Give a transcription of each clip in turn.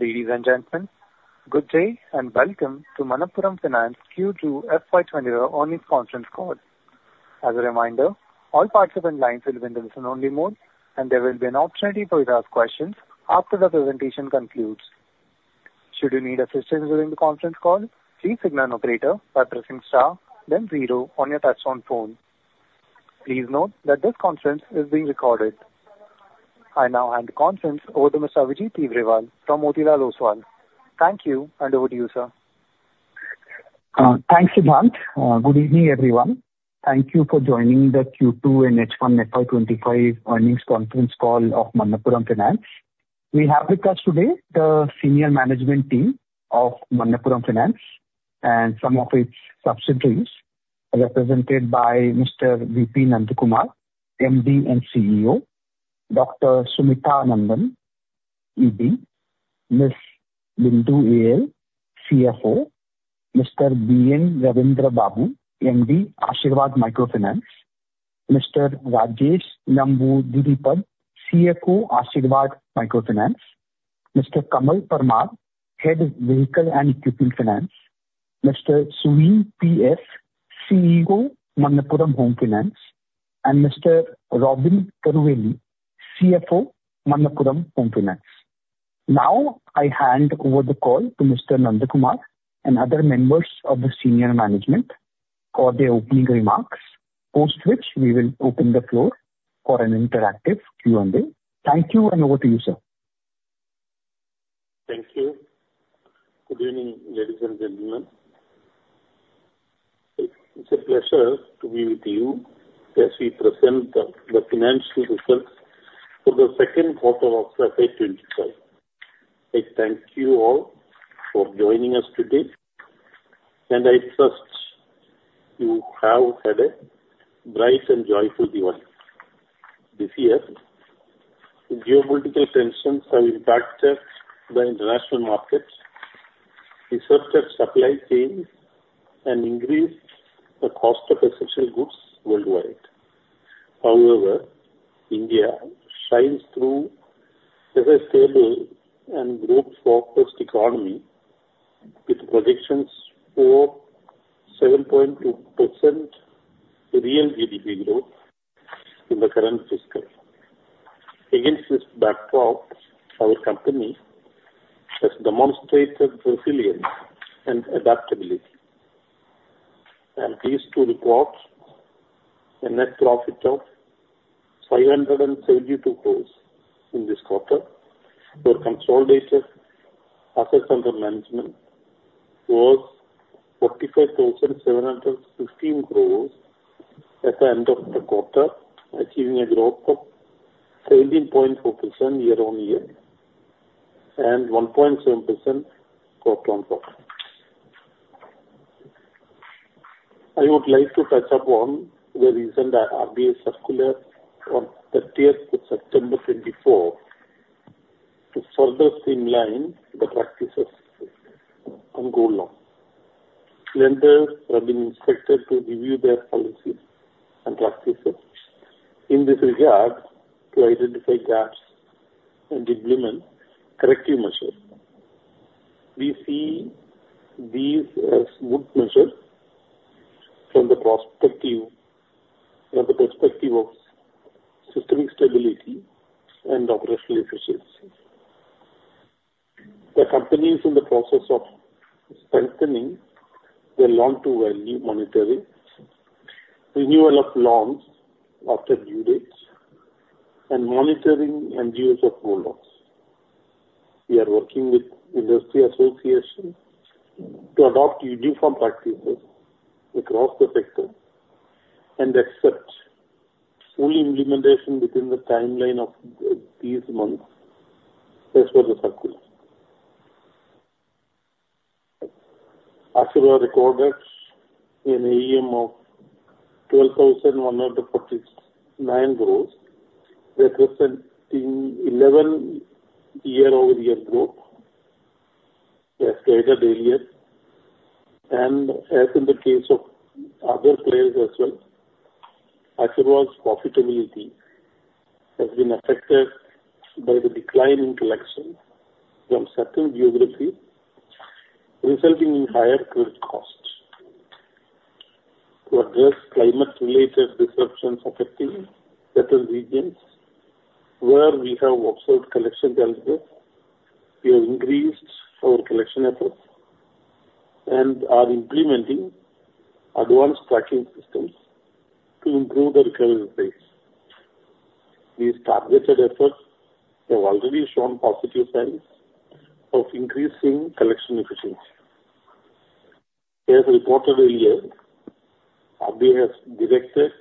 Ladies and gentlemen, good day and welcome to Manappuram Finance Q2 FY2025 Online Conference Call. As a reminder, all participants' lines will be in the listen-only mode, and there will be an opportunity for you to ask questions after the presentation concludes. Should you need assistance during the conference call, please signal an operator by pressing star, then zero on your touch-tone phone. Please note that this conference is being recorded. I now hand the conference over to Mr. Abhijit Tibrewal from Motilal Oswal. Thank you, and over to you, sir. Thanks, Sidhant. Good evening, everyone. Thank you for joining the Q2 and H1 FY25 Earnings Conference Call of Manappuram Finance. We have with us today the senior management team of Manappuram Finance and some of its subsidiaries, represented by Mr. V. P. Nandakumar, MD and CEO, Dr. Sumitha Anandan, ED, Ms. Bindu A. L., CFO, Mr. B. N. Raveendra Babu, MD, Asirvad Microfinance, Mr. Rajesh Namboodiripad, CFO, Asirvad Microfinance, Mr. Kamal Parmar, Head of Vehicle and Equipment Finance, Mr. Suvin P. S., CEO, Manappuram Home Finance, and Mr. Robin Karuveli, CFO, Manappuram Home Finance. Now, I hand over the call to Mr. Nandakumar and other members of the senior management for their opening remarks, post which we will open the floor for an interactive Q&A. Thank you, and over to you, sir. Thank you. Good evening, ladies and gentlemen. It's a pleasure to be with you as we present the financial results for the second quarter of FY2025. I thank you all for joining us today, and I trust you have had a bright and joyful day this year. Geopolitical tensions have impacted the international markets, disrupted supply chains, and increased the cost of essential goods worldwide. However, India shines through as a stable and growth-focused economy, with projections for 7.2% real GDP growth in the current fiscal. Against this backdrop, our company has demonstrated resilience and adaptability. We are pleased to report net profit of 572 crore for this quarter on a consolidated basis. Assets under management was 45,715 crore at the end of the quarter, achieving a growth of 17.4% year-on-year and 1.7% quarter-on-quarter. I would like to touch upon the recent RBI circular on September 30th 2024 to further streamline the practices and goals. Lenders have been instructed to review their policies and practices in this regard to identify gaps and implement corrective measures. We see these as good measures from the perspective of systemic stability and operational efficiency. The company is in the process of strengthening the loan-to-value monitoring, renewal of loans after due dates, and monitoring and use of rollouts. We are working with the industry association to adopt uniform practices across the sector and expect full implementation within the timeline of three months as per the circular. As you are aware, an AUM of INR 12,149 crores representing 11 year-over-year growth, as per the earlier year. As in the case of other players as well, Asirvad's profitability has been affected by the decline in collection from certain geographies, resulting in higher credit costs. To address climate-related disruptions affecting certain regions, where we have observed collection delinquencies, we have increased our collection efforts and are implementing advanced tracking systems to improve the recovery rate. These targeted efforts have already shown positive signs of increasing collection efficiency. As reported earlier, RBI has directed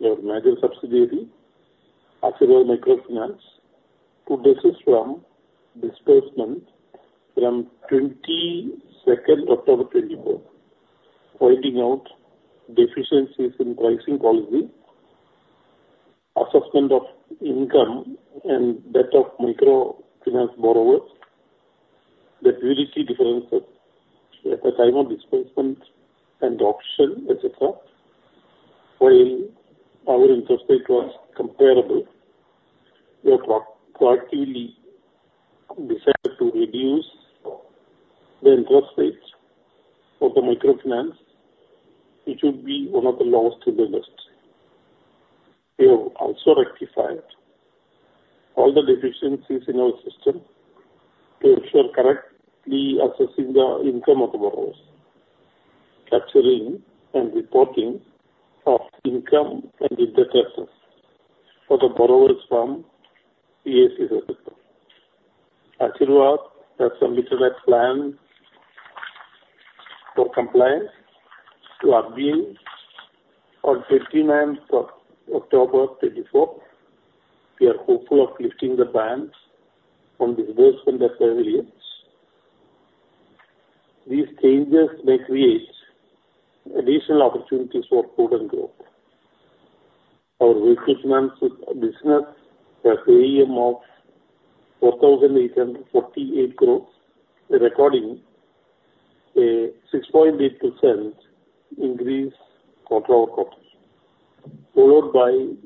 their major subsidiary, Asirvad Microfinance, to discontinue disbursements from October 22nd 2024, pointing out deficiencies in pricing policy, assessment of income, and debt of microfinance borrowers, the purity differences at the time of disbursement and option, etc. While our interest rate was comparable, we have proactively decided to reduce the interest rate of the microfinance, which would be one of the lowest in the industry. We have also rectified all the deficiencies in our system to ensure correctly assessing the income of the borrowers, capturing and reporting of income and the details of assets for the borrowers from CSCs etc. Asirvad has submitted a plan for compliance to RBI on October 29th 2024. We are hopeful of lifting the ban on disbursement that we have earlier. These changes may create additional opportunities for growth. Our microfinance business has an AUM of 4,848 crores, recording a 6.8% increase quarter-over-quarter, followed by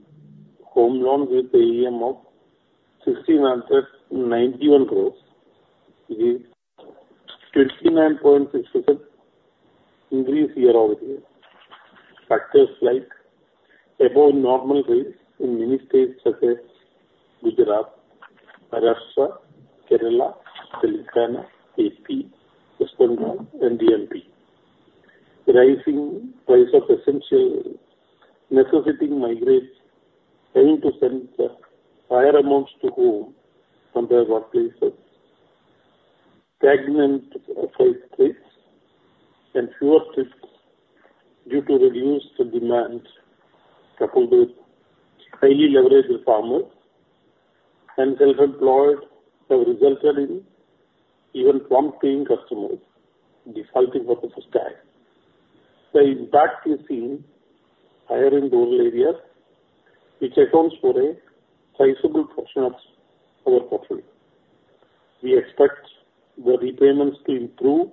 home loans with an AUM of INR 1,691 crores, which is a 29.6% increase year-over-year. Factors like above-normal rates in many states such as Gujarat, Maharashtra, Kerala, Telangana, AP, West Bengal, and MP. Rising price of essentials necessitating migrants having to send higher amounts to home compared to other places. Stagnant prices and fewer trips due to reduced demand, coupled with highly leveraged farmers and self-employed, have resulted in even prompt paying customers defaulting for the first time. The impact is seen higher in rural areas, which accounts for a sizable portion of our portfolio. We expect the repayments to improve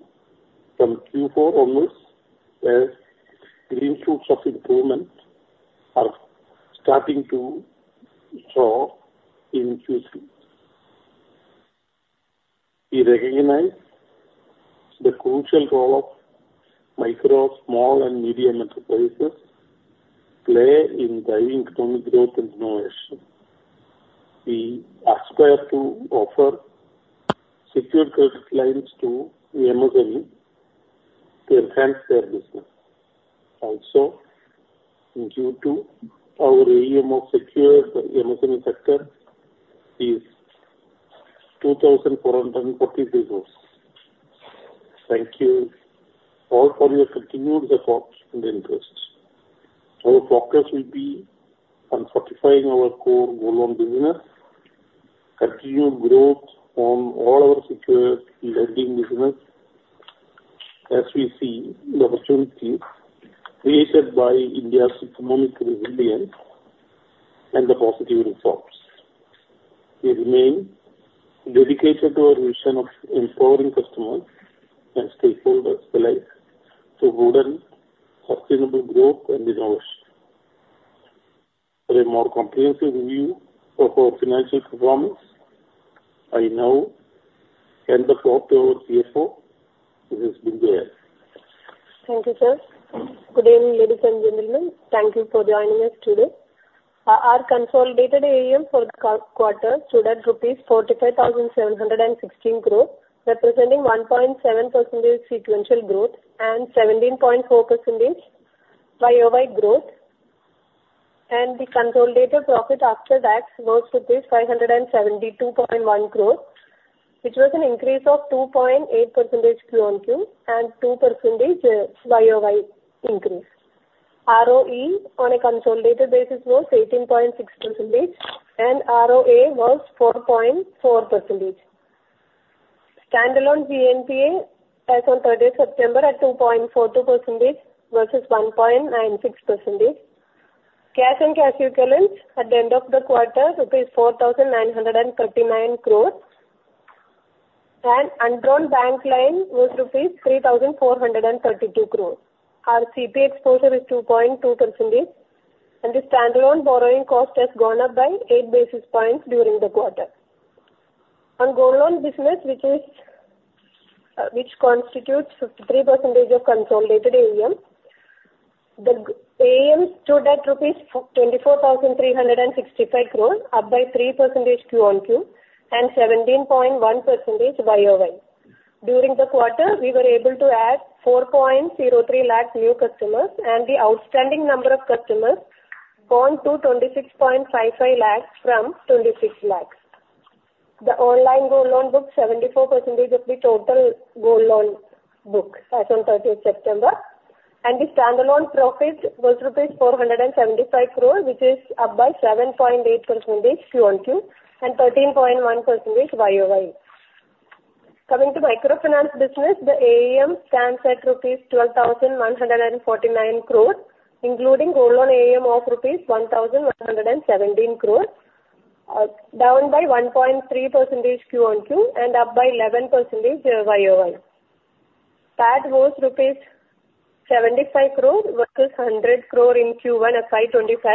from Q4 onwards as green shoots of improvement are starting to show in Q3. We recognize the crucial role of micro, small, and medium enterprises playing in driving economic growth and innovation. We aspire to offer secured credit lines to the MSME to enhance their business. Also, due to our AUM of secured MSME sector, it is INR 2,443 crores. Thank you all for your continued support and interest. Our focus will be on fortifying our core gold loan business, continued growth on all our secured lending business, as we see the opportunities created by India's economic resilience and the positive reforms. We remain dedicated to our mission of empowering customers and stakeholders alike to broaden sustainable growth and innovation. For a more comprehensive review of our financial performance, I now hand the floor to our CFO, Ms. Bindu A. L. Thank you, sir. Good evening, ladies and gentlemen. Thank you for joining us today. Our consolidated AUM for the quarter stood at ₹45,716 crores, representing 1.7% sequential growth and 17.4% YOY growth. And the consolidated profit after tax was ₹572.1 crores, which was an increase of 2.8% Q on Q and 2% YOY increase. ROE on a consolidated basis was 18.6%, and ROA was 4.4%. Stand-alone GNPA as of 30th September at 2.42% versus 1.96%. Cash and cash equivalents at the end of the quarter were ₹4,939 crores, and undrawn bank line was ₹3,432 crores. Our CP exposure is 2.2%, and the stand-alone borrowing cost has gone up by 8 basis points during the quarter. On gold loan business, which constitutes 53% of consolidated AUM, the AUM stood at ₹24,365 crores, up by 3% Q on Q and 17.1% YOY. During the quarter, we were able to add 4.03 lakh new customers, and the outstanding number of customers grew to 26.55 lakh from 26 lakhs. The online gold loan booked 74% of the total gold loan book as of September 30th, and the standalone profit was rupees 475 crores, which is up by 7.8% Q on Q and 13.1% YOY. Coming to microfinance business, the AUM stands at rupees 12,149 crores, including gold loan AUM of rupees 1,117 crores, down by 1.3% Q on Q and up by 11% YOY. That was rupees 75 crores versus 100 crores in Q1 FY25,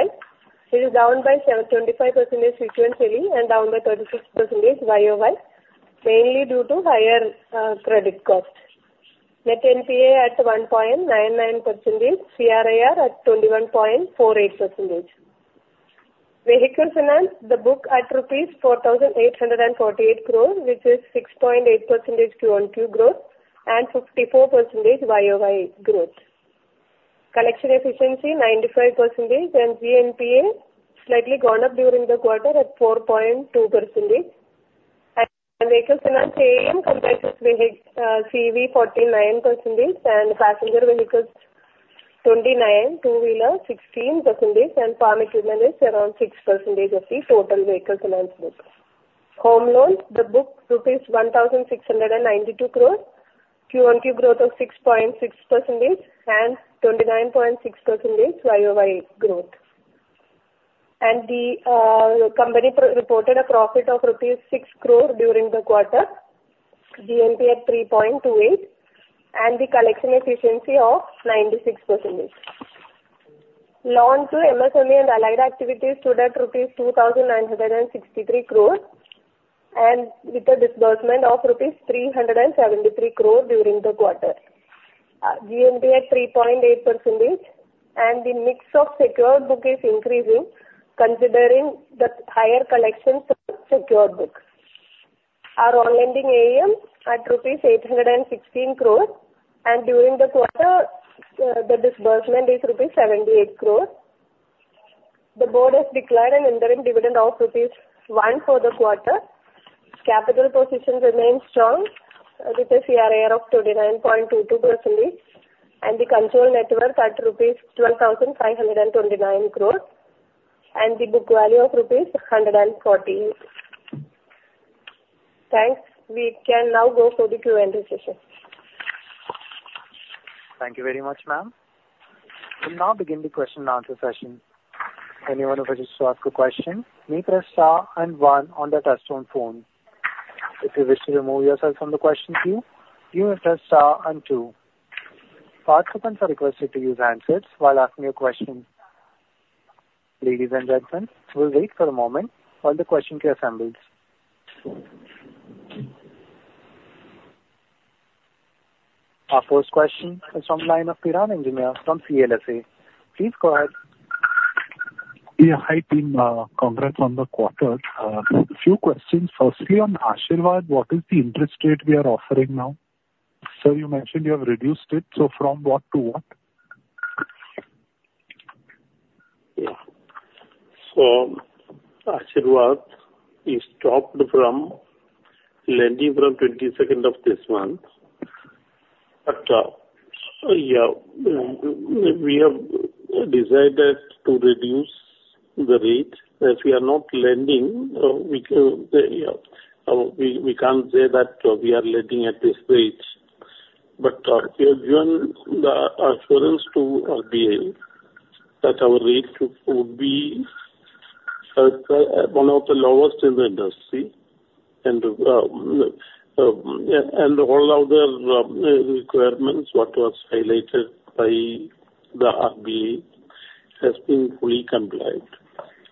which is down by 25% sequentially and down by 36% YOY, mainly due to higher credit costs. Net NPA at 1.99%, CRAR at 21.48%. Vehicle finance, the book at 4,848 crores rupees, which is 6.8% Q on Q growth and 54% YOY growth. Collection efficiency 95%, and GNPA slightly gone up during the quarter at 4.2%. Vehicle finance AUM compares with CV 49% and passenger vehicles 29%, two-wheelers 16%, and farm equipment is around 6% of the total vehicle finance book. Home loans, the book rupees 1,692 crores, Q on Q growth of 6.6% and 29.6% YOY growth. And the company reported a profit of rupees 6 crores during the quarter, GNPA at 3.28%, and the collection efficiency of 96%. Loan to MSME and allied activities stood at rupees 2,963 crores, and with a disbursement of rupees 373 crores during the quarter. GNPA at 3.8%, and the mix of secured book is increasing, considering the higher collections of secured books. Our on-lending AUM at rupees 816 crores, and during the quarter, the disbursement is rupees 78 crores. The board has declared an interim dividend of rupees 1 for the quarter. Capital positions remain strong with a CRAR of 29.22%, and the core net worth at rupees 12,529 crores, and the book value of rupees 140. Thanks. We can now go for the Q&A session. Thank you very much, ma'am. We'll now begin the question-and-answer session. Anyone who wishes to ask a question may press star and one on the touch-tone phone. If you wish to remove yourself from the question queue, you may press star and two. Participants are requested to use handsets while asking a question. Ladies and gentlemen, we'll wait for a moment while the question queue assembles. Our first question is from the line of Piran Engineer from CLSA. Please go ahead. Yeah, hi, team. Congrats on the quarter. A few questions. Firstly, on Asirvad, what is the interest rate we are offering now? Sir, you mentioned you have reduced it. So from what to what? Yeah. So Asirvad is stopped from lending from 22nd of this month. But yeah, we have decided to reduce the rate. As we are not lending, we can't say that we are lending at this rate. But we have given the assurance to RBI that our rate would be one of the lowest in the industry. And all other requirements that were highlighted by the RBI have been fully complied.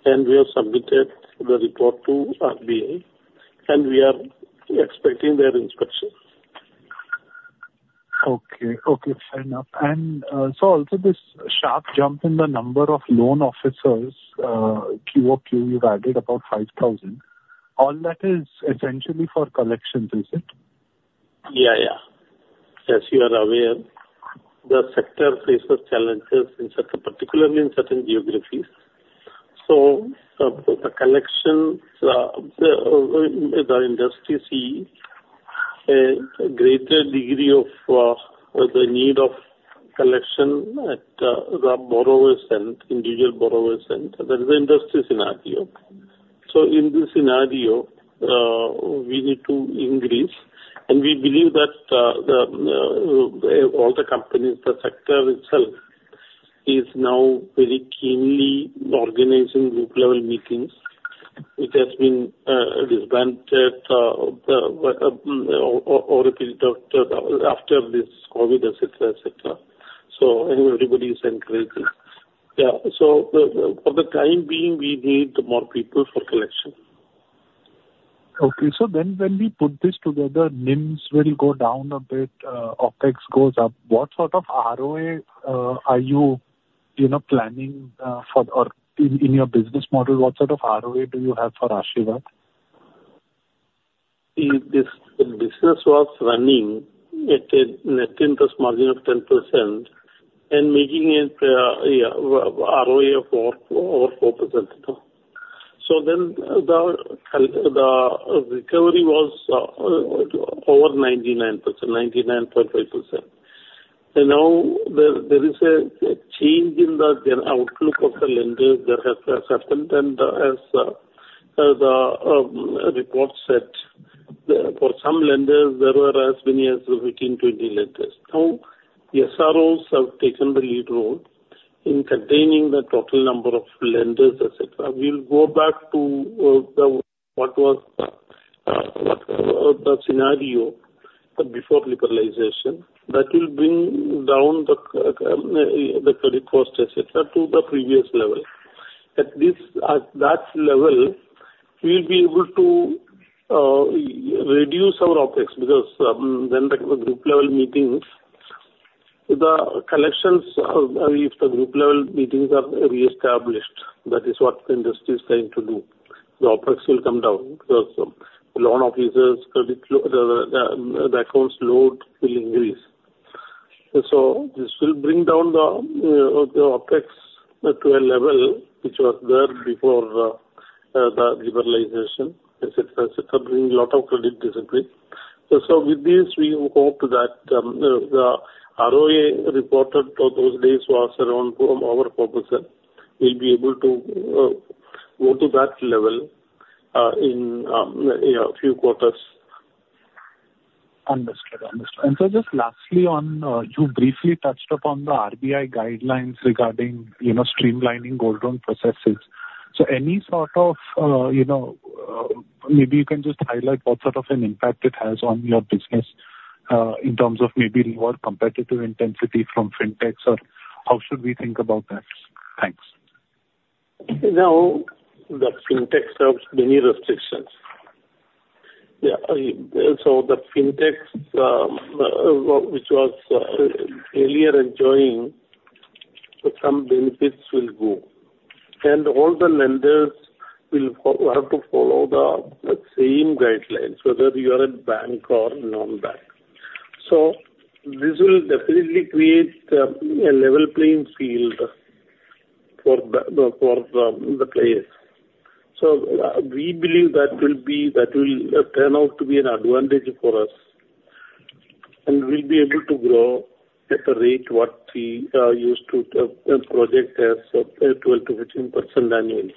And we have submitted the report to RBI, and we are expecting their inspection. Okay. Okay. Fair enough. And so also this sharp jump in the number of loan officers, Q of Q, you've added about 5,000. All that is essentially for collections, is it? Yeah, yeah. As you are aware, the sector faces challenges in certain particularly in certain geographies, so the collection, the industry see a greater degree of the need of collection at the borrowers and individual borrowers and that is the industry scenario, so in this scenario, we need to increase, and we believe that all the companies, the sector itself, is now very keenly organizing group-level meetings, which has been disbanded over a period of after this COVID, etc., etc., so everybody is encouraging. Yeah, so for the time being, we need more people for collection. Okay, so then when we put this together, NIMS will go down a bit, OPEX goes up. What sort of ROA are you planning for in your business model? What sort of ROA do you have for Asirvad? If this business was running at a net interest margin of 10% and making it ROA of over 4%. Then the recovery was over 99%, 99.5%. There is a change in the outlook of the lenders that has happened. As the report said, for some lenders, there were as many as 15-20 lenders. The SROs have taken the lead role in containing the total number of lenders, etc. We'll go back to what was the scenario before liberalization. That will bring down the credit cost, etc., to the previous level. At that level, we'll be able to reduce our OpEx because then the group-level meetings, the collections, if the group-level meetings are reestablished, that is what the industry is trying to do. The OpEx will come down because loan officers, the accounts load will increase. So this will bring down the OpEx to a level which was there before the liberalization, etc., etc., bringing a lot of credit disbursements. So with this, we hope that the ROA reported for those days was around over 4%. We'll be able to go to that level in a few quarters. Understood. Understood. And so just lastly, you briefly touched upon the RBI guidelines regarding streamlining gold loan processes. So any sort of maybe you can just highlight what sort of an impact it has on your business in terms of maybe lower competitive intensity from fintechs or how should we think about that? Thanks. Now, the fintechs have many restrictions. Yeah. So the fintechs, which was earlier enjoying some benefits, will go. And all the lenders will have to follow the same guidelines, whether you are a bank or non-bank. So this will definitely create a level playing field for the players. So we believe that will turn out to be an advantage for us. And we'll be able to grow at the rate what we used to project as 12%-15% annually.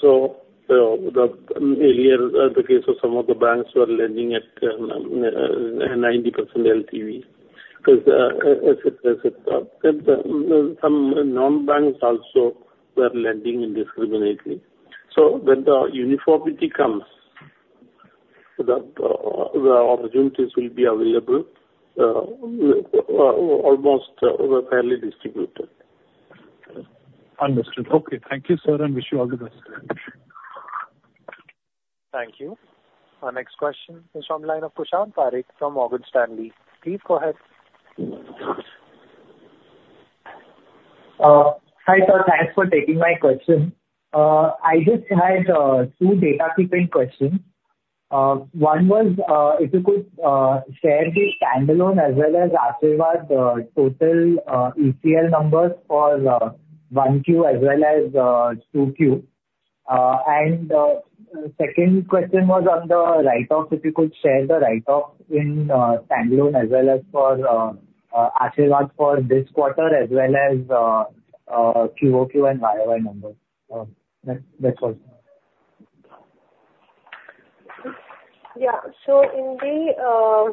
So earlier, the case of some of the banks were lending at 90% LTV because, etc., etc. Some non-banks also were lending indiscriminately. So when the uniformity comes, the opportunities will be available almost fairly distributed. Understood. Okay. Thank you, sir, and wish you all the best. Thank you. Our next question is from the line of Prashant Parekh from Morgan Stanley. Please go ahead. Hi, sir. Thanks for taking my question. I just had two data-seeking questions. One was if you could share the standalone as well as Asirvad total ECL numbers for 1Q as well as 2Q, and the second question was on the write-off, if you could share the write-off in standalone as well as for Asirvad for this quarter as well as QOQ and YOY numbers. That's all. Yeah. So in the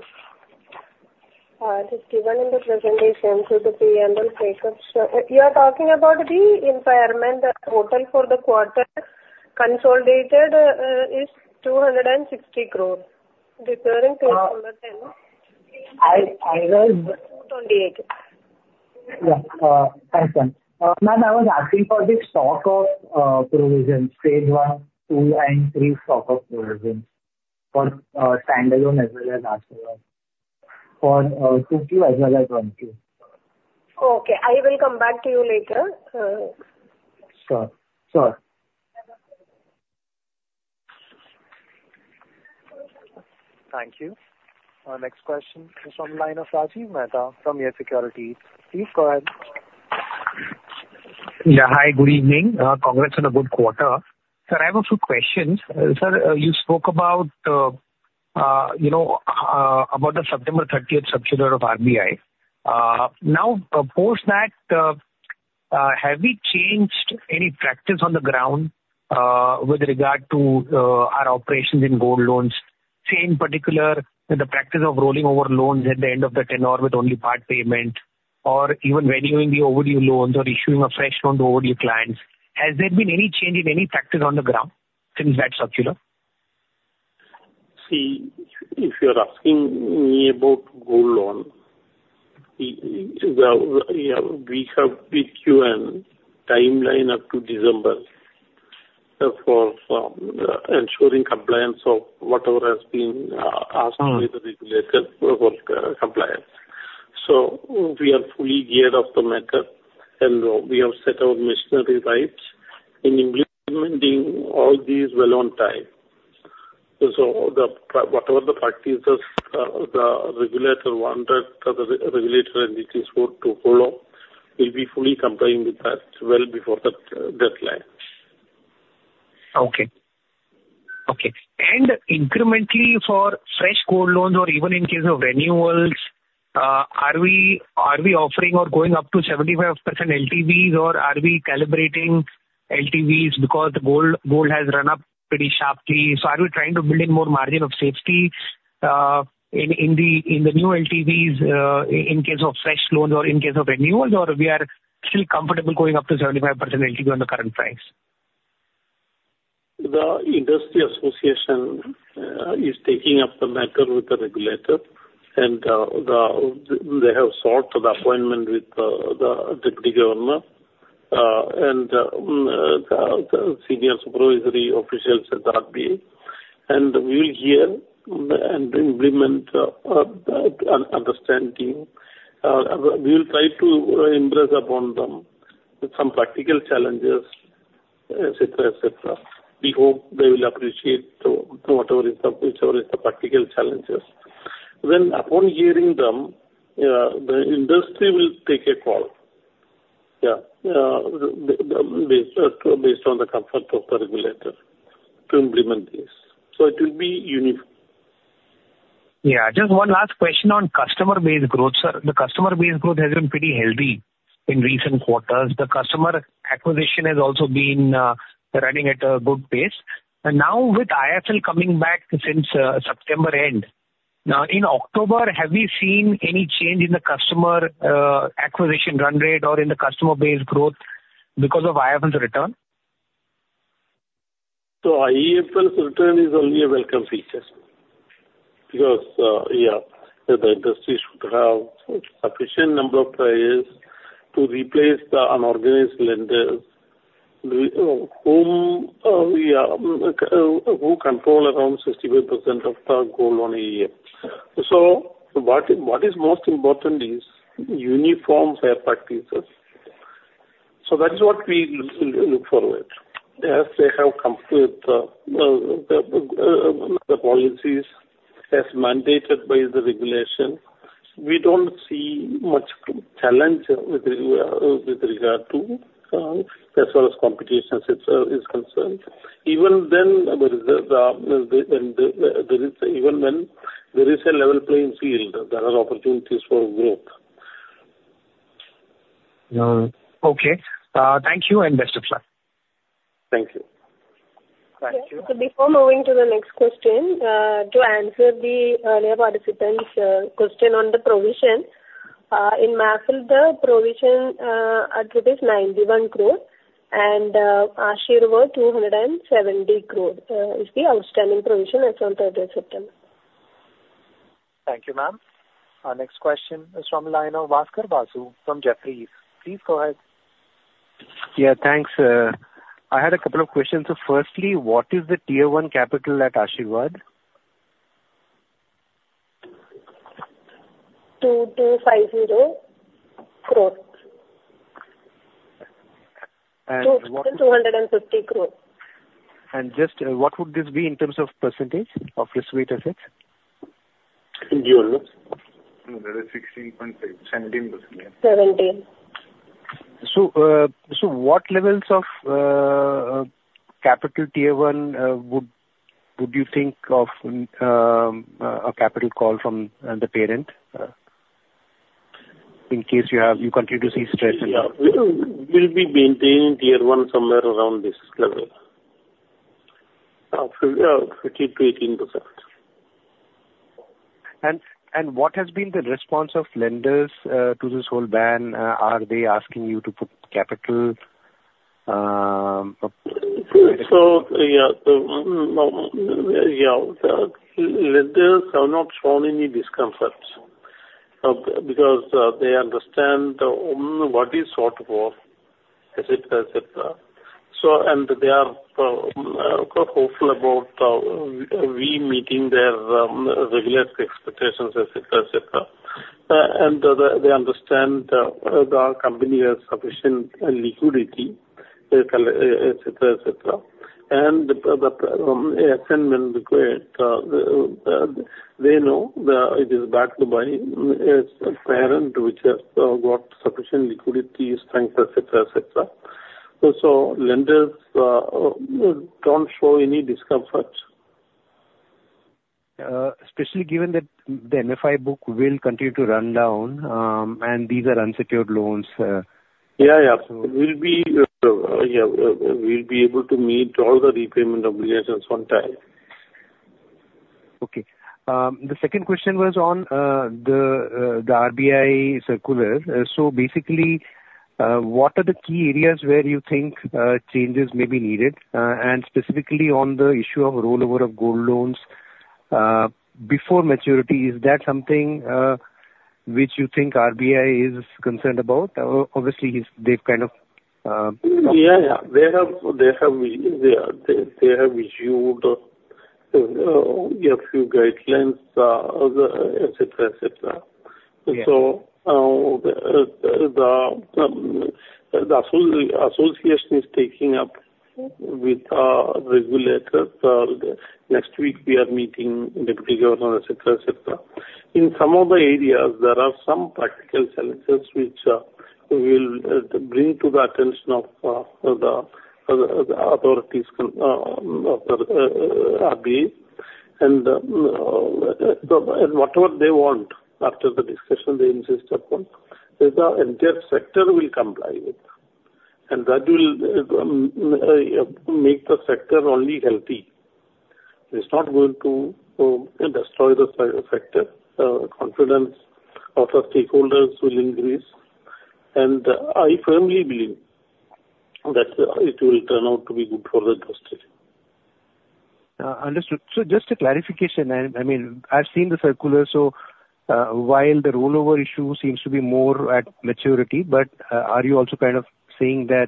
just-given presentation to the P&L breakup, you are talking about the impairment total for the quarter consolidated is 260 crores. The current GNPA number 1.0. I was 28. Yeah. Thanks, ma'am. Ma'am, I was asking for the stock of provisions, phase one, two, and three stock of provisions for stand-alone as well as Asirvad for 2Q as well as 1Q. Okay. I will come back to you later. Sure. Sure. Thank you. Our next question is from the line of Rajiv Mehta from YES Securities. Please go ahead. Yeah. Hi, good evening. Congrats on a good quarter. Sir, I have a few questions. Sir, you spoke about the September 30th circular of RBI. Now, post that, have we changed any practice on the ground with regard to our operations in gold loans, say in particular the practice of rolling over loans at the end of the tenor with only part payment or even valuing the overdue loans or issuing a fresh loan to overdue clients? Has there been any change in any practice on the ground since that circular? See, if you're asking me about gold loan, we have the RBI timeline up to December for ensuring compliance of whatever has been asked by the regulator for compliance. So we are fully seized of the matter, and we have set our machinery right in implementing all these well on time. So whatever the practices the regulator wanted, the regulatory entities were to follow, we'll be fully complying with that well before the deadline. Okay. Okay. And incrementally for fresh gold loans or even in case of renewals, are we offering or going up to 75% LTVs, or are we calibrating LTVs because the gold has run up pretty sharply? So are we trying to build in more margin of safety in the new LTVs in case of fresh loans or in case of renewals, or we are still comfortable going up to 75% LTV on the current price? The industry association is taking up the matter with the regulator, and they have sought the appointment with the Deputy Governor and the senior supervisory officials at the RBI, and we will hear and implement an understanding. We will try to impress upon them some practical challenges, etc., etc. We hope they will appreciate whatever is the practical challenges, then upon hearing them, the industry will take a call, yeah, based on the comfort of the regulator to implement this, so it will be uniform. Yeah. Just one last question on customer-based growth, sir. The customer-based growth has been pretty healthy in recent quarters. The customer acquisition has also been running at a good pace. And now with IIFL coming back since September end, in October, have we seen any change in the customer acquisition run rate or in the customer-based growth because of IIFL's return? IIFL's return is only a welcome feature because, yeah, the industry should have a sufficient number of players to replace the unorganized lenders who control around 65% of the gold loan market. What is most important is uniform fair practices. That's what we look forward. As they have come with the policies as mandated by the regulation, we don't see much challenge with regard to as far as competition is concerned. Even then, even when there is a level playing field, there are opportunities for growth. Okay. Thank you and best of luck. Thank you. Thank you. Before moving to the next question, to answer the earlier participants' question on the provision, in Manappuram, the provision as of today is INR 91 crore, and Asirvad 270 crore is the outstanding provision as of 30th September. Thank you, ma'am. Our next question is from the line of Bhaskar Basu from Jefferies. Please go ahead. Yeah. Thanks. I had a couple of questions. So firstly, what is the Tier 1 capital at Asirvad? 2250 crore. And what? 2250 crore. Just what would this be in terms of percentage of this weight effect? In your looks? That is 16.6, 17%. 17. So what levels of Tier 1 capital would you think of a capital call from the parent in case you continue to see stress in? Yeah. We'll be maintaining Tier 1 somewhere around this level, 15%-18%. What has been the response of lenders to this whole ban? Are they asking you to put capital? Lenders are not showing any discomfort because they understand what is sort of work, etc., etc., and they are hopeful about we meeting their regulatory expectations, etc., etc., and they understand the company has sufficient liquidity, etc., etc. The assignment require, they know it is backed by its parent which has got sufficient liquidity strength, etc., etc., so lenders don't show any discomfort. Especially given that the MFI book will continue to run down and these are unsecured loans. Yeah, yeah. Absolutely. We'll be able to meet all the repayment obligations on time. Okay. The second question was on the RBI circular. So basically, what are the key areas where you think changes may be needed? And specifically on the issue of rollover of gold loans before maturity, is that something which you think RBI is concerned about? Obviously, they've kind of. Yeah, yeah. They have issued a few guidelines, etc., etc., so the association is taking up with the regulator. Next week, we are meeting Deputy Governor, etc., etc. In some of the areas, there are some practical challenges which will bring to the attention of the authorities of the RBI, and whatever they want after the discussion, they insist upon that the entire sector will comply with, and that will make the sector only healthy. It's not going to destroy the sector. Confidence of the stakeholders will increase, and I firmly believe that it will turn out to be good for the industry. Understood. So just a clarification. I mean, I've seen the circular. So while the rollover issue seems to be more at maturity, but are you also kind of seeing that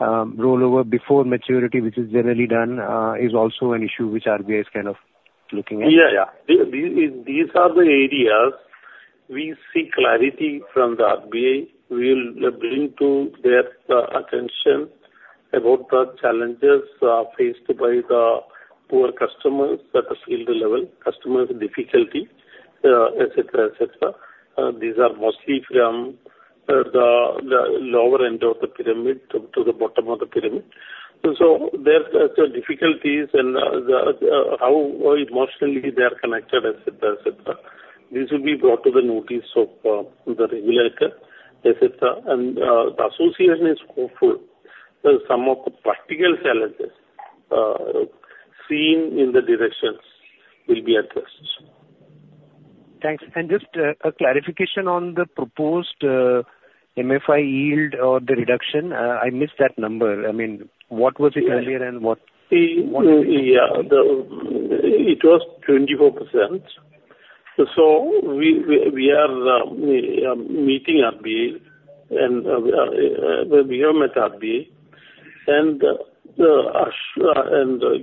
rollover before maturity, which is generally done, is also an issue which RBI is kind of looking at? Yeah, yeah. These are the areas we see clarity from the RBI will bring to their attention about the challenges faced by the poor customers at the field level, customers' difficulty, etc., etc. These are mostly from the lower end of the pyramid to the bottom of the pyramid, so there's the difficulties and how emotionally they are connected, etc., etc. This will be brought to the notice of the regulator, etc., and the association is hopeful some of the practical challenges seen in the directions will be addressed. Thanks. And just a clarification on the proposed MFI yield or the reduction. I missed that number. I mean, what was it earlier and what? Yeah. It was 24%. So we are meeting RBI and we have met RBI, and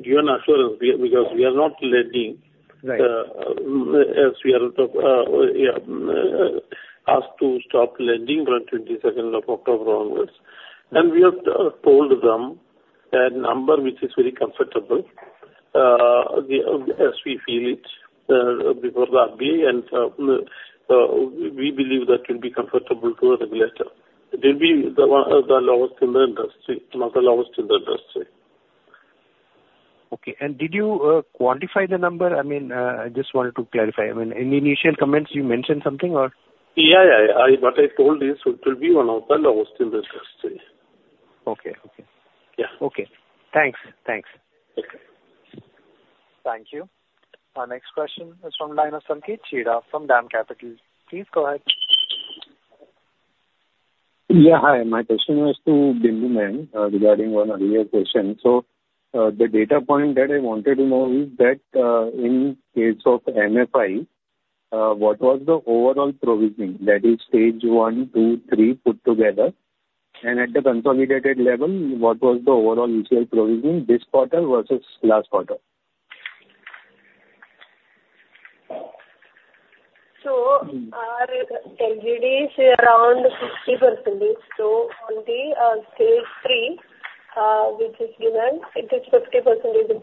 given assurance because we are not lending as we are asked to stop lending from 22nd of October onwards. And we have told them a number which is very comfortable as we feel it before the RBI. And we believe that will be comfortable to a regulator. It will be the lowest in the industry, not the lowest in the industry. Okay. And did you quantify the number? I mean, I just wanted to clarify. I mean, in the initial comments, you mentioned something or? Yeah, yeah, yeah. What I told is it will be one of the lowest in the industry. Okay. Thanks. Okay. Thank you. Our next question is from the line of Sanket Chheda from DAM Capital. Please go ahead. Yeah. Hi. My question was to Bindu A. L. regarding one earlier question. So the data point that I wanted to know is that in case of MFI, what was the overall provision that is Stage 1, Stage 2, Stage 3 put together? And at the consolidated level, what was the overall ECL provision this quarter versus last quarter? Our LGD is around 50%. On the Stage 3, which is given, it is 50% of the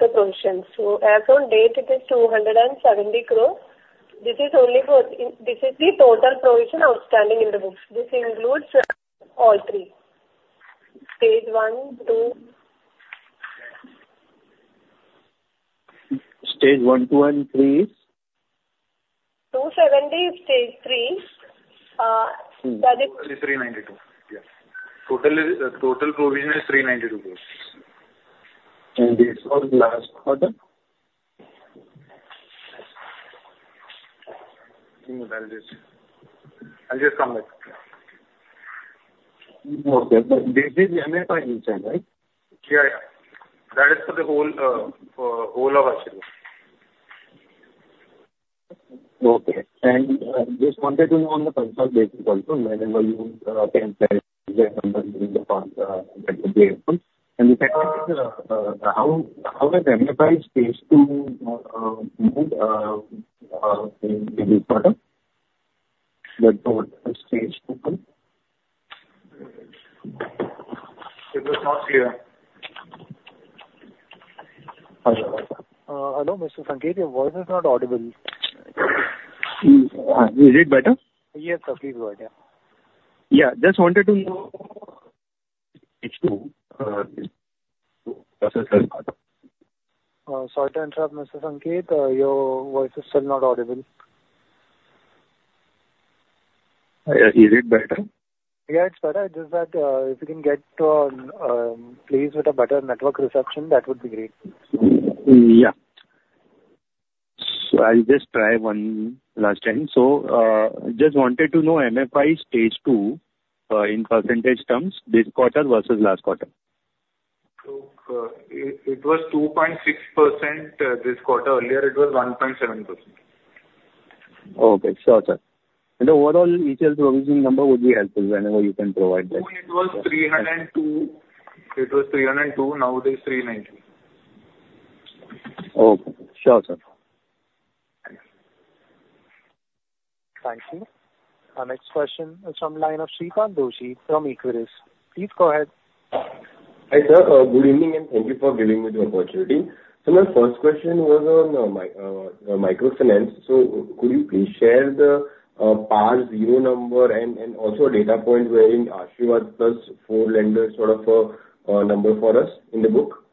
provision. As of date, it is 270 crore. This is only for the total provision outstanding in the books. This includes all three, Stage 1, 2. Stage one, two, and three? 270 Stage 3. That is. Total 392. Yeah. Total provision is 392 crore. This was last quarter? I'll just come back. Okay, but this is MFI inside, right? Yeah, yeah. That is for the whole of Asirvad. Okay. And just wanted to know on the consolidated basis also, whenever you can share the numbers in the consolidated, that would be helpful. And the technical, how has MFI Stage 2 moved in this quarter? The Stage 2? It was not here. Hello, Mr. Sanket, your voice is not audible. Is it better? Yes, sir. Please go ahead. Yeah. Just wanted to know. Stage two. Sorry to interrupt, Mr. Sanket. Your voice is still not audible. Is it better? Yeah, it's better. Just that if you can get to a place with a better network reception, that would be great. Yeah. So I'll just try one last time. So just wanted to know MFI Stage 2 in percentage terms this quarter versus last quarter. It was 2.6% this quarter. Earlier, it was 1.7%. Okay. Sure, sir. And overall, each provision number would be helpful whenever you can provide that. It was 302. Now it is 390. Okay. Sure, sir. Thank you. Our next question is from the line of Sripal Doshi from Equirus. Please go ahead. Hi, sir. Good evening and thank you for giving me the opportunity. So my first question was on microfinance. So could you please share the PAR zero number and also a data point wherein Asirvad plus four lenders sort of a number for us in the book?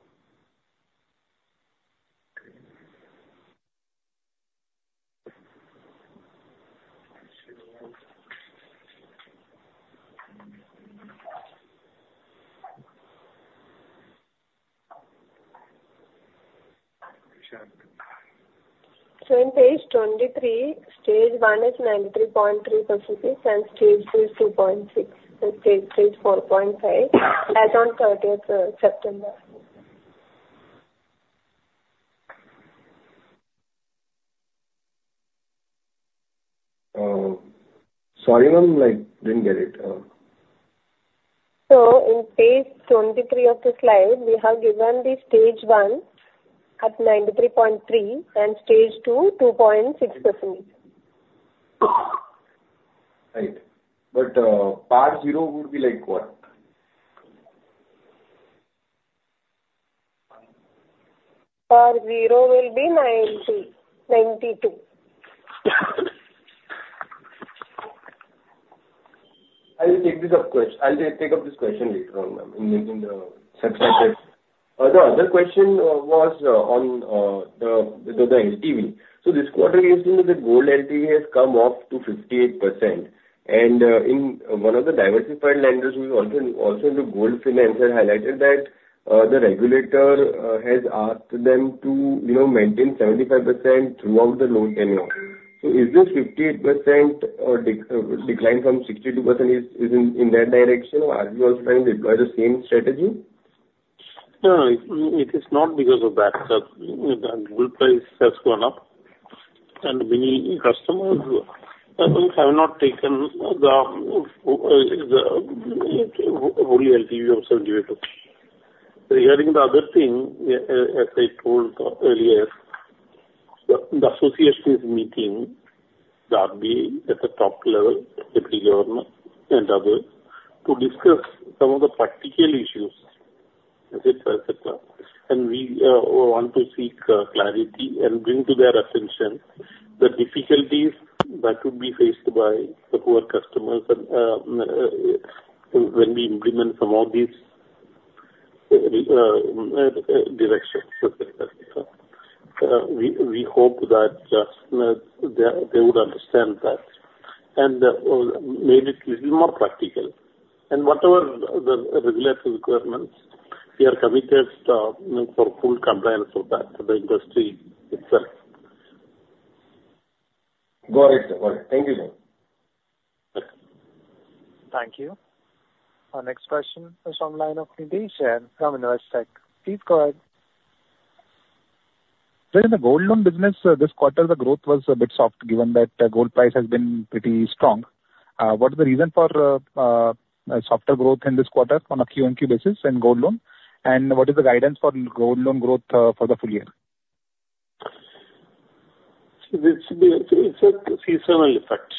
Sure. So on page 23, Stage one is 93.3% and Stage two is 2.6%, and Stage three is 4.5% as of September 30th. Sorry, ma'am. I didn't get it. In page 23 of the slide, we have given the stage one at 93.3% and stage two 2.6%. Right. But PAR zero would be like what? PAR zero will be 92. I'll take this up question. I'll take up this question later on, ma'am, in the subsequent. The other question was on the LTV. So this quarter, the gold LTV has come off to 58%. And in one of the diversified lenders, who is also into gold finance, had highlighted that the regulator has asked them to maintain 75% throughout the loan tenure. So is this 58% decline from 62% in that direction? Are you also trying to deploy the same strategy? No, no. It is not because of that. The gold price has gone up, and many customers have not taken the whole LTV of 72%. Regarding the other thing, as I told earlier, the association is meeting the RBI at the top level, Deputy Governor, and others to discuss some of the practical issues, etc., etc., and we want to seek clarity and bring to their attention the difficulties that would be faced by the poor customers when we implement some of these directions. We hope that they would understand that and make it a little more practical, and whatever the regulatory requirements, we are committed for full compliance of that to the industry itself. Got it. Got it. Thank you, sir. Okay. Thank you. Our next question is from the line of Nitesh from Investec. Please go ahead. So in the gold loan business, this quarter, the growth was a bit soft given that gold price has been pretty strong. What is the reason for softer growth in this quarter on a Q&Q basis in gold loan? And what is the guidance for gold loan growth for the full year? It's a seasonal effect.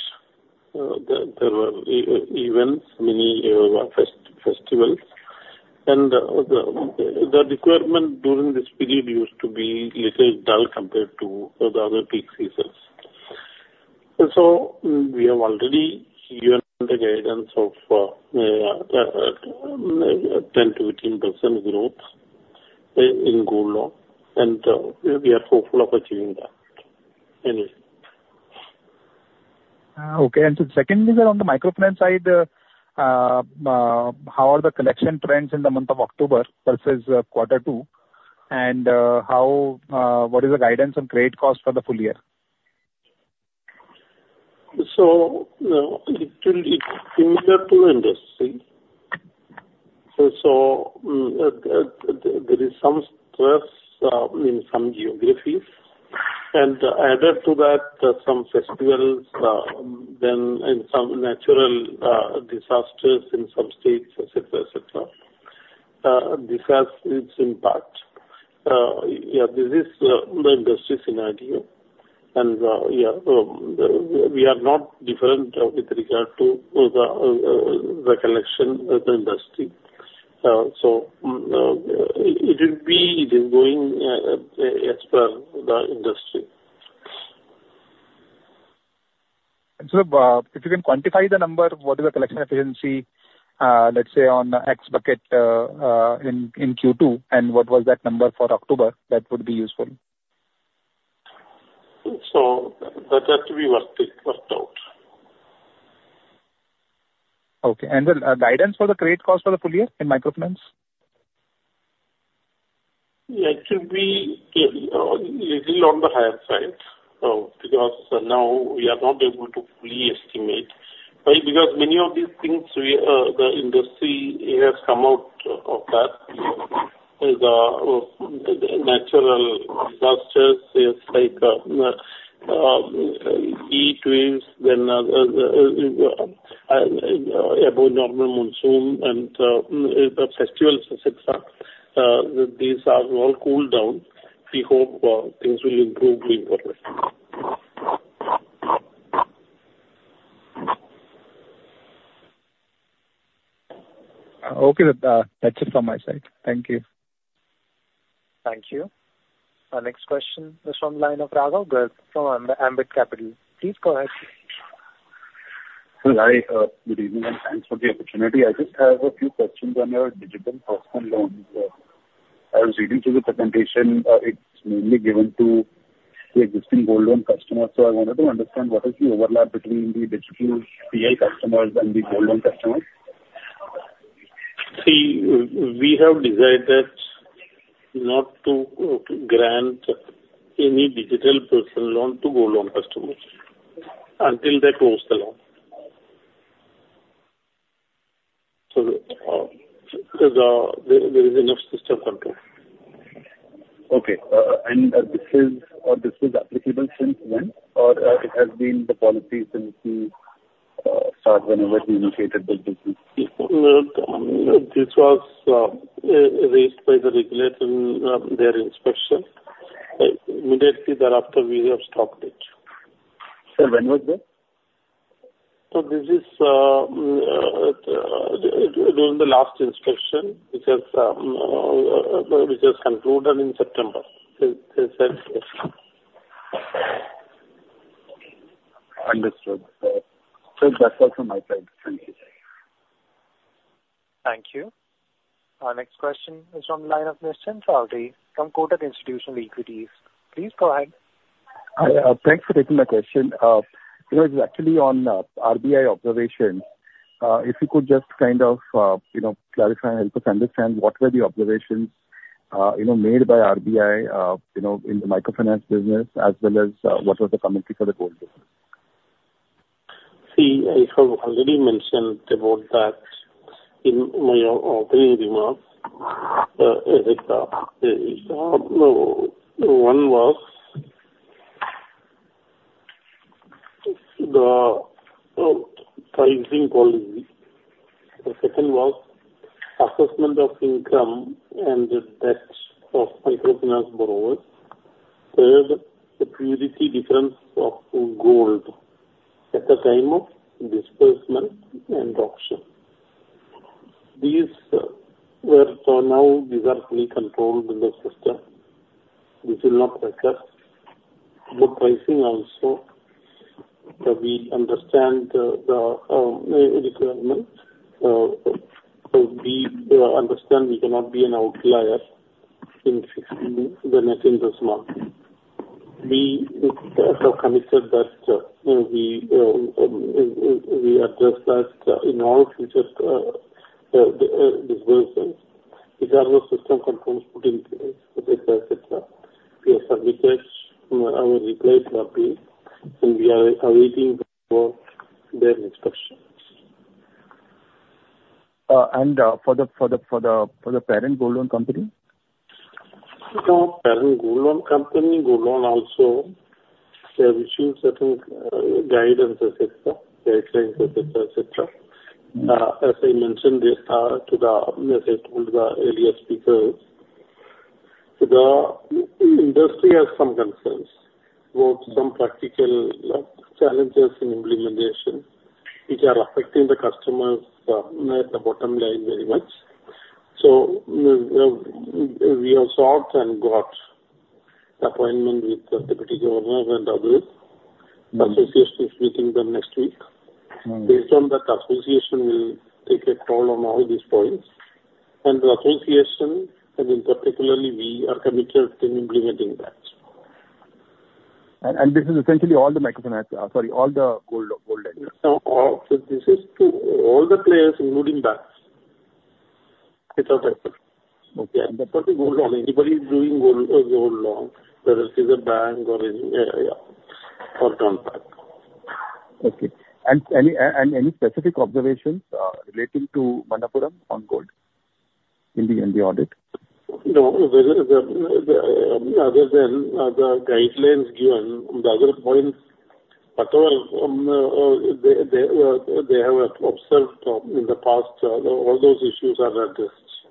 There were events, many festivals. And the requirement during this period used to be a little dull compared to the other peak seasons. So we have already given the guidance of 10%-15% growth in gold loan. And we are hopeful of achieving that anyway. Okay. And the second is on the microfinance side, how are the collection trends in the month of October versus quarter two? And what is the guidance on credit cost for the full year? So it will be similar to the industry. So there is some stress in some geographies. And added to that, there are some festivals, then some natural disasters in some states, etc., etc. This has its impact. Yeah, this is the industry scenario. And yeah, we are not different with regard to the collection of the industry. So it will be going as per the industry. And sir, if you can quantify the number, what is the collection efficiency, let's say, on X bucket in Q2? And what was that number for October? That would be useful. So that has to be worked out. Okay. And the guidance for the credit cost for the full year in microfinance? It should be a little on the higher side because now we are not able to fully estimate. Because many of these things, the industry has come out of that. The natural disasters like heat waves, then above-normal monsoon, and the festivals, etc., these have all cooled down. We hope things will improve going forward. Okay. That's it from my side. Thank you. Thank you. Our next question is from the line of Raghav Garg from Ambit Capital. Please go ahead. Hi, good evening, and thanks for the opportunity. I just have a few questions on your digital personal loans. I was reading through the presentation. It's mainly given to the existing gold loan customers. So I wanted to understand what is the overlap between the digital PL customers and the gold loan customers? See, we have decided not to grant any digital personal loan to gold loan customers until they close the loan. So there is enough system control. Okay. And this is applicable since when? Or it has been the policy since we start whenever we initiated the business? This was raised by the regulator in their inspection. Immediately thereafter, we have stopped it. When was this? So this is during the last inspection which was concluded in September. They said yes. Understood. So that's all from my side. Thank you. Thank you. Our next question is from the line of Nischint Chawathe from Kotak Institutional Equities. Please go ahead. Thanks for taking my question. It was actually on RBI observations. If you could just kind of clarify and help us understand what were the observations made by RBI in the microfinance business as well as what was the commentary for the gold business? See, I have already mentioned about that in my opening remarks. One was the pricing policy. The second was assessment of income and debts of microfinance borrowers. Third, the purity difference of gold at the time of disbursement and auction. These were now effectively controlled in the system. This will not recur. But pricing also, we understand the requirement. We understand we cannot be an outlier in fixing the net interest margin. We have committed that we address that in all future disbursements because the system controls put in place, etc., etc. We have submitted our reply to RBI, and we are awaiting their inspection. For the parent gold loan company? Parent gold loan company, gold loan also issuing certain guidance, etc., guidelines. As I mentioned to the earlier speakers, the industry has some concerns about some practical challenges in implementation which are affecting the customers at the bottom line very much. So we have sought and got appointment with Deputy Governor and others. Association is meeting them next week. Based on that, the association will take a call on all these points. And the association, in particular, we are committed to implementing that. This is essentially all the microfinance sorry, all the gold lenders? This is to all the players, including banks. Okay. For the gold loan, anybody doing gold loan, whether it is a bank or any or contact. Okay. And any specific observations relating to Manappuram on gold in the audit? No. Other than the guidelines given, the other points, they have observed in the past, all those issues are addressed.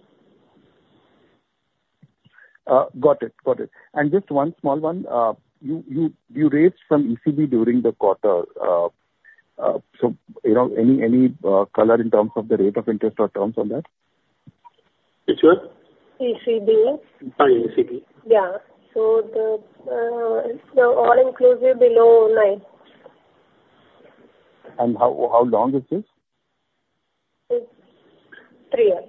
Got it. Got it. And just one small one. You raised some ECB during the quarter. So any color in terms of the rate of interest or terms on that? It's what? ECBs. Hi, ECBs. Yeah, so the all-inclusive below 9. How long is this? It's three years.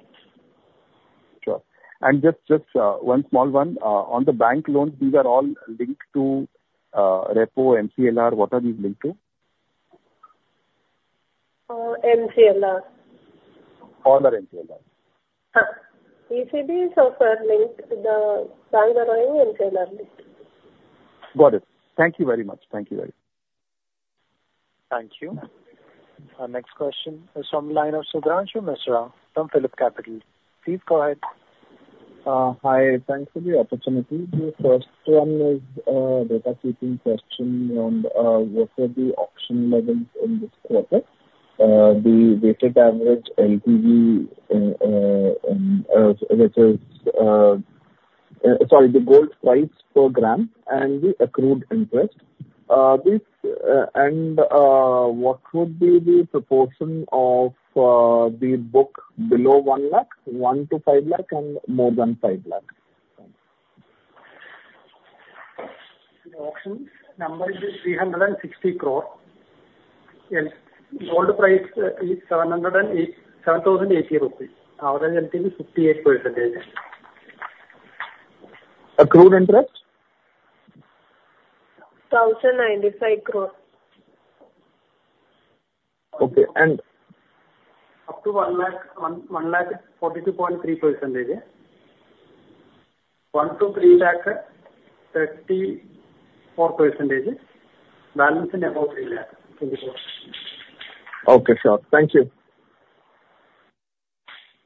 Sure. And just one small one. On the bank loans, these are all linked to Repo, MCLR? What are these linked to? MCLR. All are MCLR? ECB is also linked. The banks are all MCLR linked. Got it. Thank you very much. Thank you very much. Thank you. Our next question is from the line of Shubhranshu Mishra from PhillipCapital. Please go ahead. Hi. Thanks for the opportunity. The first one is a data keeping question on what were the auction levels in this quarter, the weighted average LTV, which is sorry, the gold price per gram and the accrued interest. And what would be the proportion of the book below one lakh, one to five lakh, and more than five lakh? The auction number is INR 360 crore. Yes. Gold price is INR 780. Average LTV is 58%. Accrued interest? 1,095 crore. Okay. And? Up to 1 lakh, 142.3%. 1 to 3 lakh, 34%. Balance in about 3 lakh. Okay. Sure. Thank you.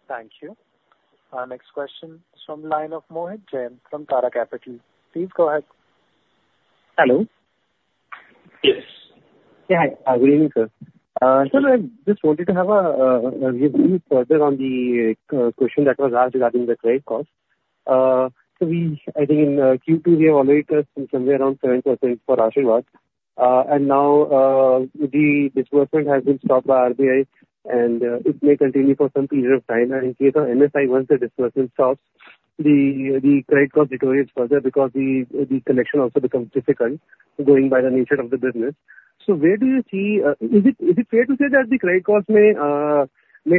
Thank you. Our next question is from the line of Mohit Jain from Tara Capital. Please go ahead. Hello. Yes. Yeah. Hi. Good evening, sir. So I just wanted to have a review further on the question that was asked regarding the credit cost. So I think in Q2, we have already touched somewhere around 7% for Asirvad. And now the disbursement has been stopped by RBI, and it may continue for some period of time. And in case of MFI, once the disbursement stops, the credit cost deteriorates further because the connection also becomes difficult going by the nature of the business. So where do you see is it fair to say that the credit cost may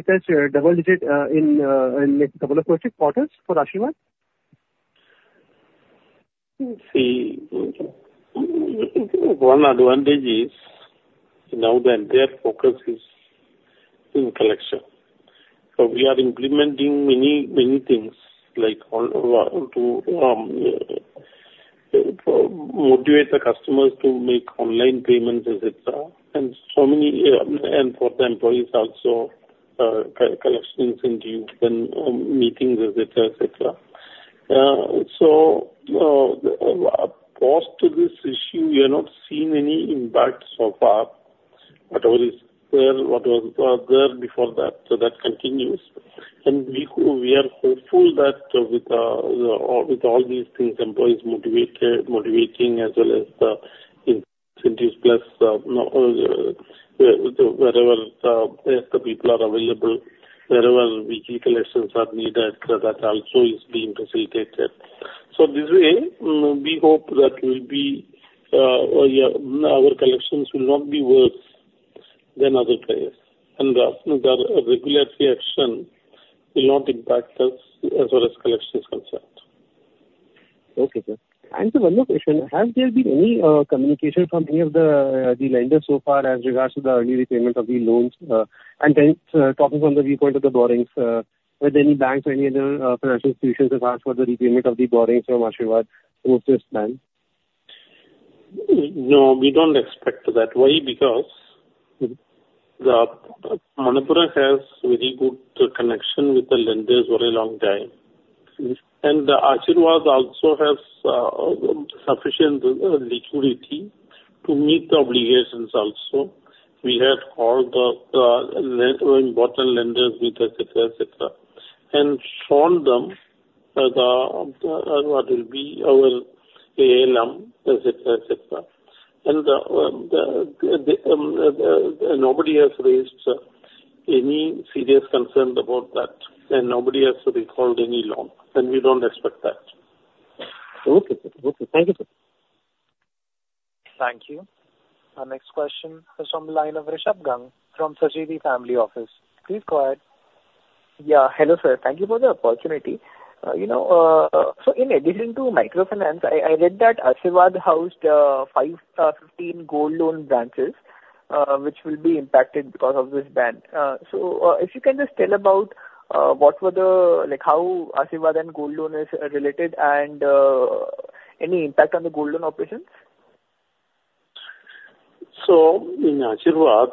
touch double-digit in a couple of quarters for Asirvad? See, one advantage is now that their focus is in collection. So we are implementing many things like to motivate the customers to make online payments, etc. And for the employees also, collection incentives, then meetings, etc., etc. So post this issue, we have not seen any impact so far. Whatever is there, what was there before that, that continues. And we are hopeful that with all these things, employees motivating as well as the incentives plus wherever the people are available, wherever weekly collections are needed, that also is being facilitated. So this way, we hope that our collections will not be worse than other players. And the regulatory action will not impact us as far as collections are concerned. Okay, sir. And one more question. Has there been any communication from any of the lenders so far as regards to the early repayment of the loans? And talking from the viewpoint of the borrowings, were there any banks or any other financial institutions that asked for the repayment of the borrowings from Asirvad to assist them? No, we don't expect that. Why? Because Manappuram has very good connection with the lenders for a long time. And Asirvad also has sufficient liquidity to meet the obligations also. We have called the important lenders, etc., etc., and shown them what will be our ALM, etc., etc. And nobody has raised any serious concern about that. And nobody has recalled any loan. And we don't expect that. Okay, sir. Okay. Thank you, sir. Thank you. Our next question is from the line of Rishabh Gang from Sajivi Family Office. Please go ahead. Yeah. Hello, sir. Thank you for the opportunity. So in addition to microfinance, I read that Asirvad housed 15 gold loan branches which will be impacted because of this ban. So if you can just tell about what were the how Asirvad and gold loan is related and any impact on the gold loan operations? In Asirvad,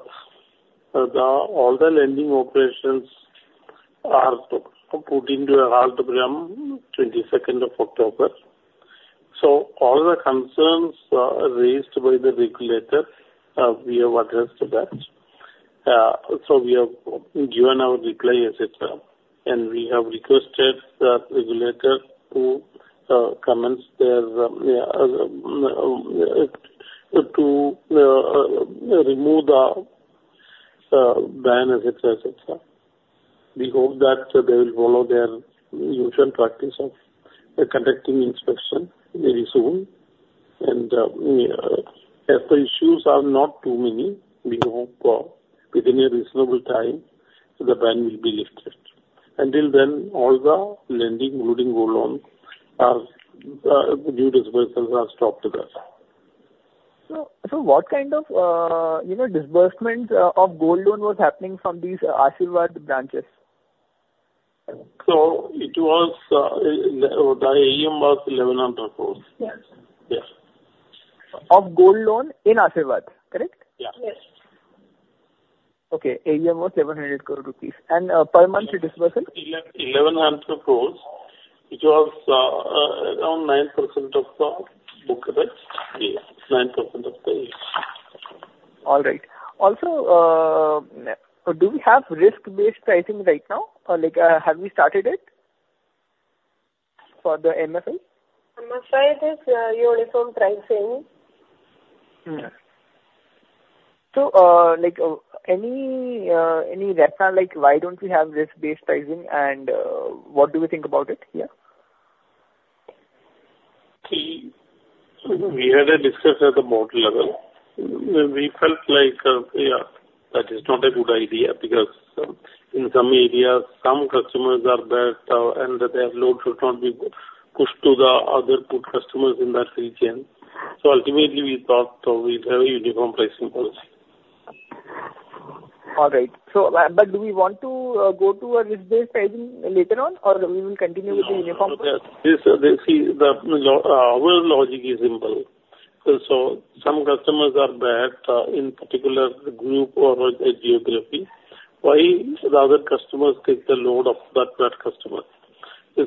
all the lending operations are put into a halt from 22nd of October. All the concerns raised by the regulator, we have addressed that. We have given our reply, etc. We have requested the regulator to remove the ban, etc., etc. We hope that they will follow their usual practice of conducting inspection very soon. If the issues are not too many, we hope within a reasonable time, the ban will be lifted. Until then, all the lending, including gold loan, new disbursements are stopped with us. So what kind of disbursement of gold loan was happening from these Asirvad branches? The AUM was 1,100 crores. Yes. Yeah. Of gold loan in Asirvad, correct? Yeah. Yes. Okay. AUM was 1,100 crore rupees. And per month disbursement? 1,100 crores, which was around 9% of the book rate. Yes. 9% of the AUM. All right. Also, do we have risk-based pricing right now? Have we started it for the MFI? MFI is a uniform pricing. So any rationale why don't we have risk-based pricing and what do we think about it here? See, we had a discussion at the board level. We felt like, yeah, that is not a good idea because in some areas, some customers are bad and their load should not be pushed to the other good customers in that region. So ultimately, we thought we'd have a uniform pricing policy. All right. But do we want to go to a risk-based pricing later on or we will continue with the uniform policy? See, our logic is simple. So some customers are bad in particular group or geography. Why? The other customers take the load of that bad customer.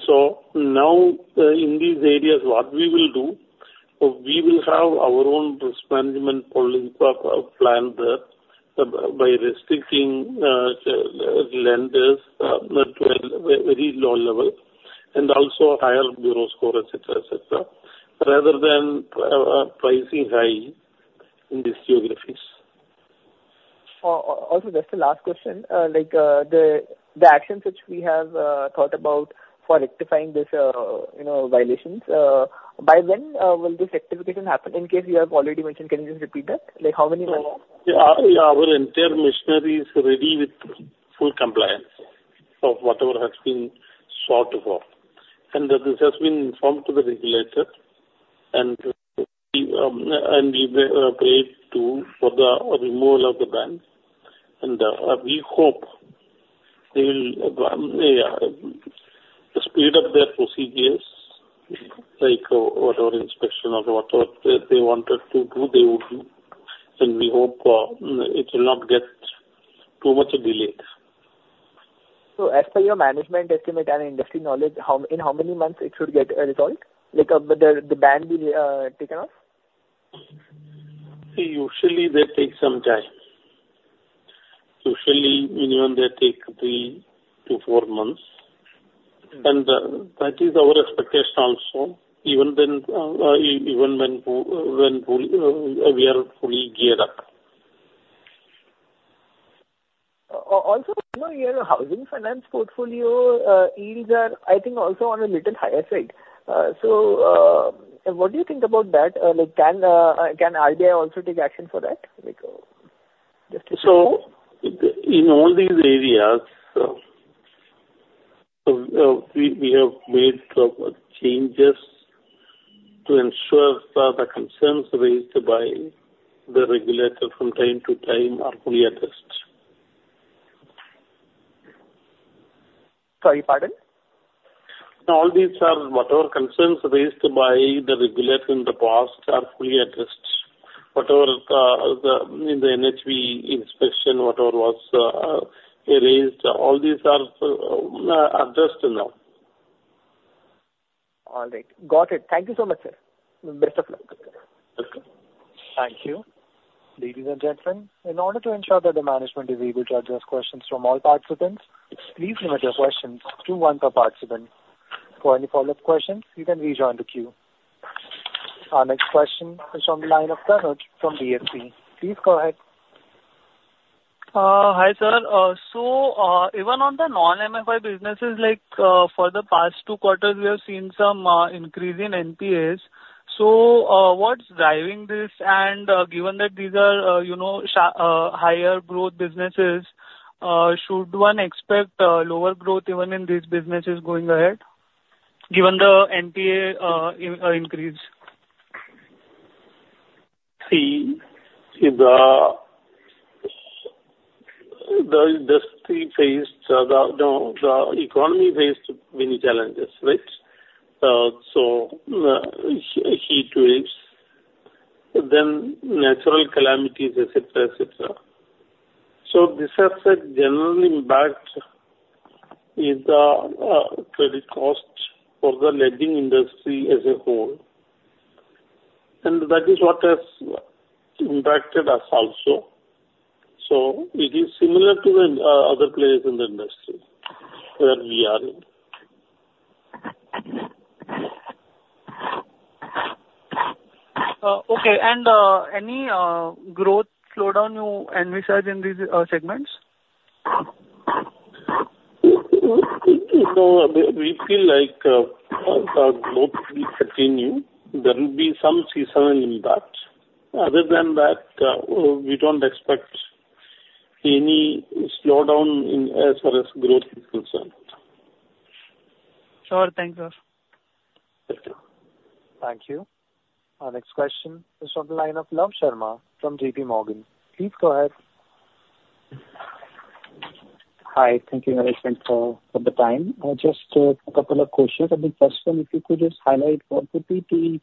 So now in these areas, what we will do, we will have our own risk management plan there by restricting lenders to a very low level and also higher bureau score, etc., etc., rather than pricing high in these geographies. Also, just the last question. The actions which we have thought about for rectifying these violations, by when will this rectification happen? In case you have already mentioned, can you just repeat that? How many months? Our entire machinery is ready with full compliance of whatever has been sought for. And this has been informed to the regulator. And we prayed for the removal of the ban. And we hope they will speed up their procedures, like whatever inspection or whatever they wanted to do, they would do. And we hope it will not get too much delayed. So as per your management estimate and industry knowledge, in how many months it should get resolved? The ban being taken off? See, usually they take some time. Usually, minimum they take three to four months, and that is our expectation also, even when we are fully geared up. Also, your housing finance portfolio yields are, I think, also on a little higher side. So what do you think about that? Can RBI also take action for that? So in all these areas, we have made changes to ensure the concerns raised by the regulator from time to time are fully addressed. Sorry, pardon? All these are whatever concerns raised by the regulator in the past are fully addressed. Whatever in the NHB inspection, whatever was raised, all these are addressed now. All right. Got it. Thank you so much, sir. Best of luck. Thank you. Ladies and gentlemen, in order to ensure that the management is able to address questions from all participants, please limit your questions to one per participant. For any follow-up questions, you can rejoin the queue. Our next question is from the line of Clerk from DSC. Please go ahead. Hi sir. So even on the non-MFI businesses, for the past two quarters, we have seen some increase in NPAs. So what's driving this? And given that these are higher growth businesses, should one expect lower growth even in these businesses going ahead given the NPA increase? See, just the economy faced many challenges, right? So heat waves, then natural calamities, etc., etc. So this has a general impact in the credit cost for the lending industry as a whole. And that is what has impacted us also. So it is similar to the other players in the industry where we are in. Okay. And any growth slowdown you envisage in these segments? We feel like the growth will continue. There will be some seasonal impact. Other than that, we don't expect any slowdown as far as growth is concerned. Sure. Thank you, sir. Thank you. Our next question is from the line of Lav Sharma from J.P. Morgan. Please go ahead. Hi. Thank you, Management, for the time. Just a couple of questions. I think first one, if you could just highlight what would be the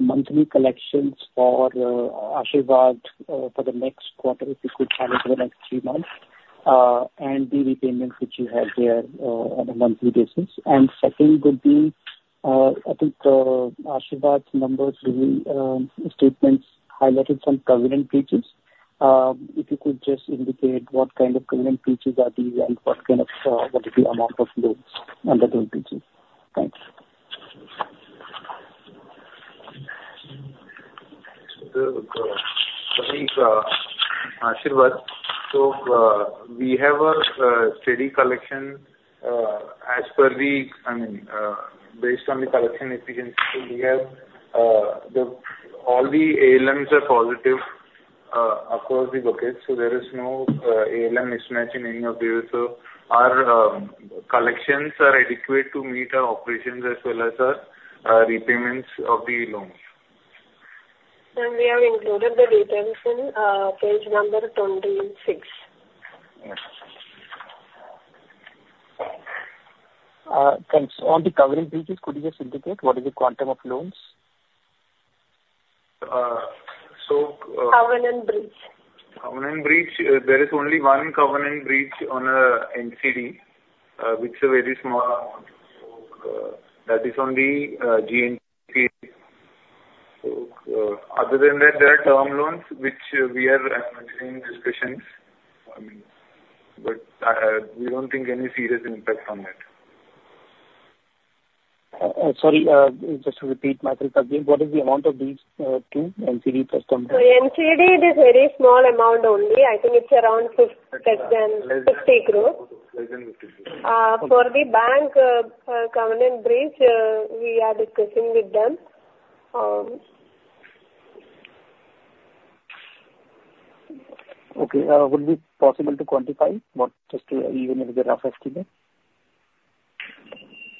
monthly collections for Asirvad for the next quarter, if you could highlight for the next three months, and the repayments which you have there on a monthly basis. And second would be, I think Asirvad's numbers statements highlighted some covenant features. If you could just indicate what kind of covenant features are these and what kind of amount of loans under those features. Thanks. So I think Asirvad, so we have a steady collection as per the I mean, based on the collection efficiency, we have all the ALMs are positive across the bucket. So there is no ALM mismatch in any of these. So our collections are adequate to meet our operations as well as our repayments of the loans. We have included the details in page number 26. Yes. Thanks. On the covenant features, could you just indicate what is the quantum of loans? So. Covenant breach. Covenant breach, there is only one covenant breach on NCD, which is a very small amount. So that is on the GNPA. So other than that, there are term loans which we are in discussions. I mean, but we don't think any serious impact on it. Sorry, just to repeat, Michael Kalbi, what is the amount of these two NCD plus term loans? NCD is a very small amount only. I think it's around less than 50 crores. Less than 50 crores. For the bank covenant breach, we are discussing with them. Okay. Would it be possible to quantify just to even if there are 50 there?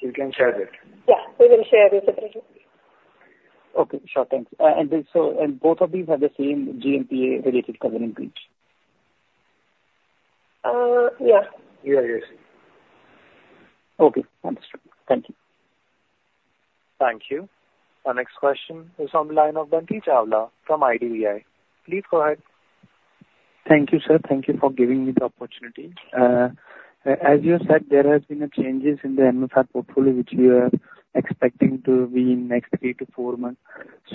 We can share that. Yeah. We will share it separately. Okay. Sure. Thanks. And both of these have the same GNPA related covenant breach? Yeah. Yeah. Yes. Okay. Understood. Thank you. Thank you. Our next question is from the line of Bunty Chawla from IDBI Capital. Please go ahead. Thank you, sir. Thank you for giving me the opportunity. As you said, there have been changes in the MFI portfolio which we are expecting to be in next three to four months.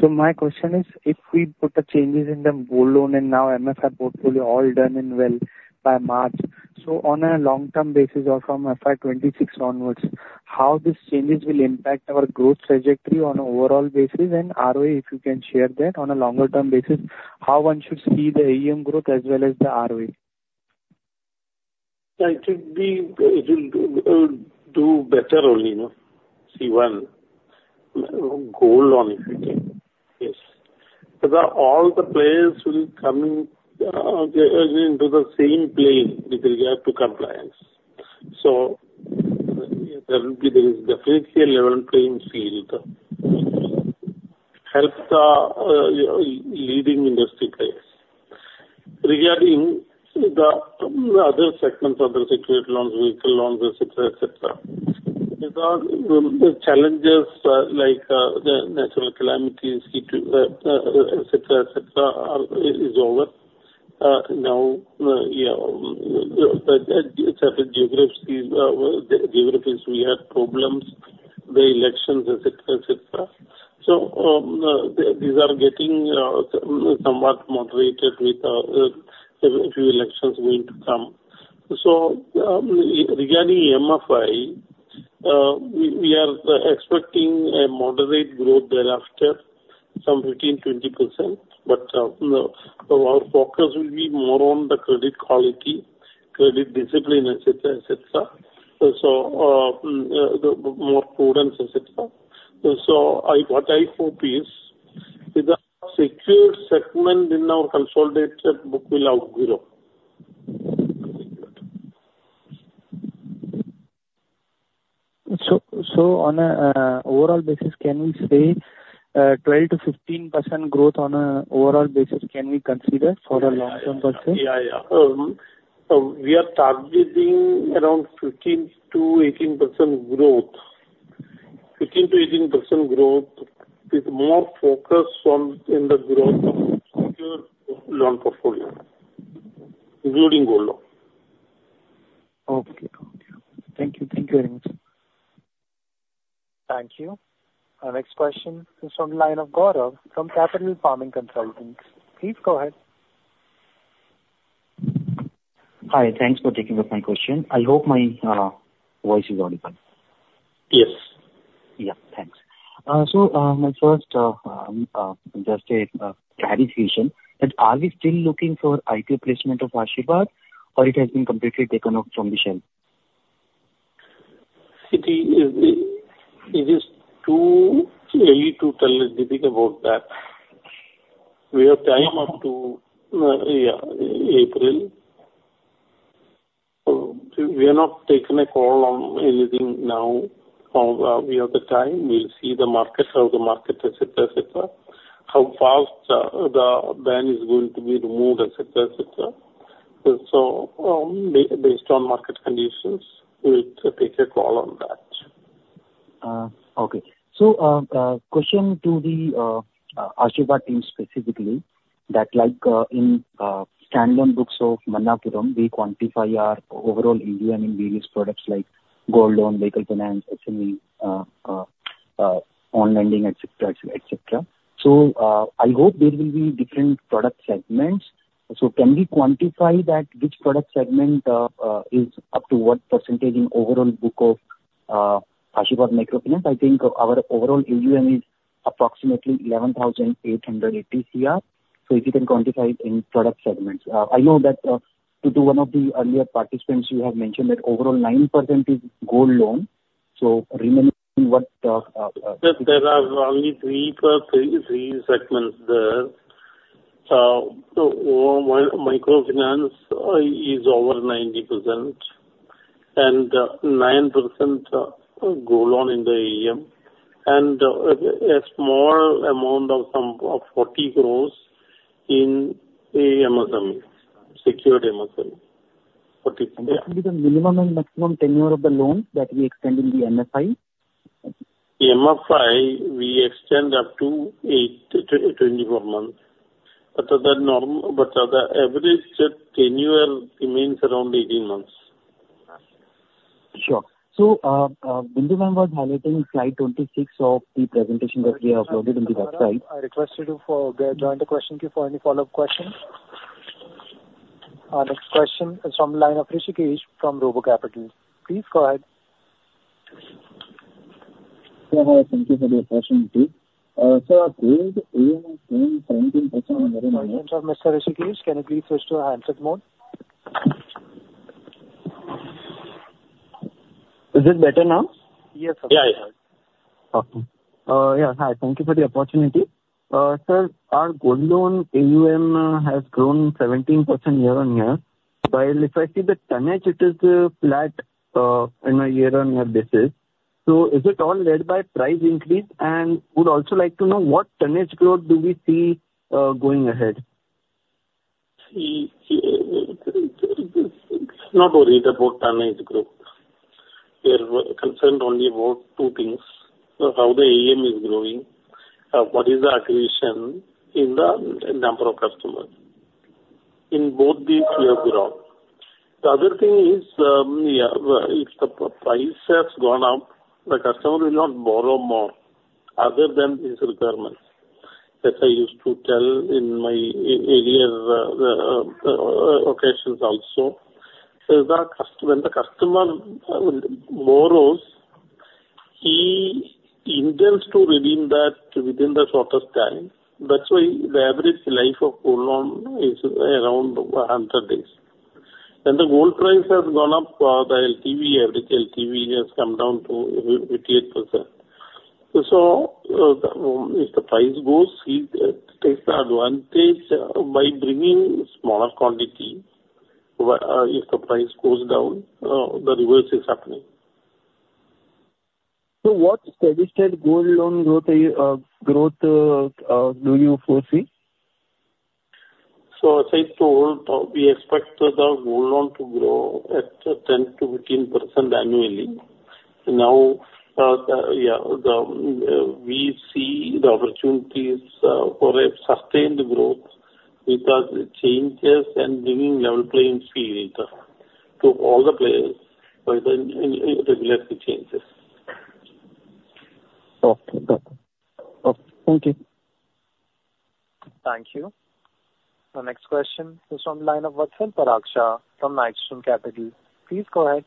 So my question is, if we put the changes in the gold loan and now MFI portfolio all done and well by March, so on a long-term basis or from FY 26 onwards, how these changes will impact our growth trajectory on an overall basis and ROI, if you can share that on a longer-term basis, how one should see the AUM growth as well as the ROI? It will do better only if we want gold loan, if you can. Yes. All the players will come into the same plane with regard to compliance. So there is definitely a level playing field to help the leading industry players. Regarding the other segments, other secured loans, vehicle loans, etc., etc., the challenges like the natural calamities, heat waves, etc., etc., is over. Now, different geographies, we have problems, the elections, etc., etc. So these are getting somewhat moderated with a few elections going to come. So regarding MFI, we are expecting a moderate growth thereafter, some 15%-20%. But our focus will be more on the credit quality, credit discipline, etc., etc., so more prudence, etc. So what I hope is with a secured segment in our consolidated book will outgrow the unsecured. On an overall basis, can we say 12%-15% growth on an overall basis can we consider for a long-term perspective? We are targeting around 15%-18% growth, 15%-18% growth with more focus on the growth of secured loan portfolio, including gold loan. Okay. Thank you very much. Thank you. Our next question is from the line of Gaurav from Capital Farming Consultants. Please go ahead. Hi. Thanks for taking up my question. I hope my voice is audible. Yes. Yeah. Thanks. My first, just a clarification, are we still looking for IPO placement of Asirvad or it has been completely taken off from the shelf? See, it is too early to tell anything about that. We have time up to, yeah, April. So we have not taken a call on anything now. We have the time. We'll see the market, how the market, etc., etc., how fast the ban is going to be removed, etc., etc. So based on market conditions, we'll take a call on that. Okay. So question to the Asirvad team specifically that in standalone books of Manappuram, we quantify our overall AUM in various products like gold loan, vehicle finance, SME, on-lending, etc., etc. So I hope there will be different product segments. So can we quantify that which product segment is up to what percentage in overall book of Asirvad Microfinance? I think our overall AUM is approximately 11,880 crore. So if you can quantify it in product segments. I know that to one of the earlier participants, you have mentioned that overall 9% is gold loan. So remaining what? There are only three segments there. Microfinance is over 90% and 9% gold loan in the AUM. A small amount of 40 crores in MSME, secured MSME. What would be the minimum and maximum tenure of the loan that we extend in the MFI? MFI, we extend up to 24 months, but the average tenure remains around 18 months. Sure. V. P. Nandakumar was highlighting slide 26 of the presentation that we have uploaded on the website. I requested you to join the question queue for any follow-up questions. Our next question is from the line of Rishikesh from RoboCapital. Please go ahead. Yeah. Hi. Thank you for the opportunity. So I've heard AUM is going 17% on the other line. Question for Mr. Rishikesh. Can you please switch to a hands-up mode? Is it better now? Yes, sir. Yeah. I heard. Okay. Yeah. Hi. Thank you for the opportunity. Sir, our gold loan AUM has grown 17% year on year. While if I see the tonnage, it is flat on a year-on-year basis. So is it all led by price increase? And would also like to know what tonnage growth do we see going ahead? Not worried about tonnage growth. We are concerned only about two things: how the AUM is growing, what is the accretion in the number of customers. In both these, we have grown. The other thing is, yeah, if the price has gone up, the customer will not borrow more other than his requirements. As I used to tell in my earlier occasions also, when the customer borrows, he intends to redeem that within the shortest time. That's why the average life of gold loan is around 100 days. When the gold price has gone up, the LTV, average LTV has come down to 88%. So if the price goes, he takes the advantage by bringing smaller quantity. If the price goes down, the reverse is happening. So what steady-state Gold Loan growth do you foresee? So as I told, we expect the gold loan to grow at 10%-15% annually. Now, yeah, we see the opportunities for a sustained growth with the changes and bringing level playing field to all the players by the regular changes. Okay. Okay. Okay. Thank you. Thank you. Our next question is from the line of Vatsal Parekh from Negen Capital. Please go ahead.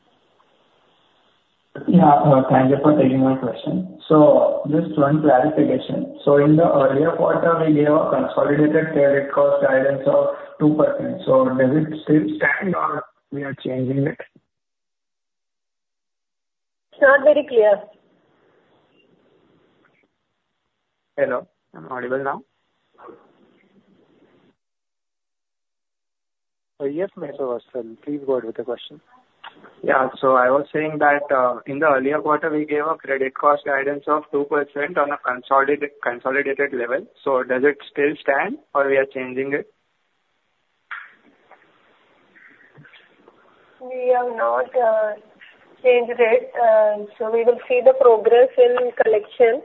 Yeah. Thank you for taking my question. So just one clarification. So in the earlier quarter, we gave a consolidated credit cost guidance of 2%. So does it still stand or we are changing it? It's not very clear. Hello? I'm audible now? Yes, Mr. Watson. Please go ahead with the question. Yeah. So I was saying that in the earlier quarter, we gave a credit cost guidance of 2% on a consolidated level. So does it still stand or we are changing it? We have not changed it. So we will see the progress in collection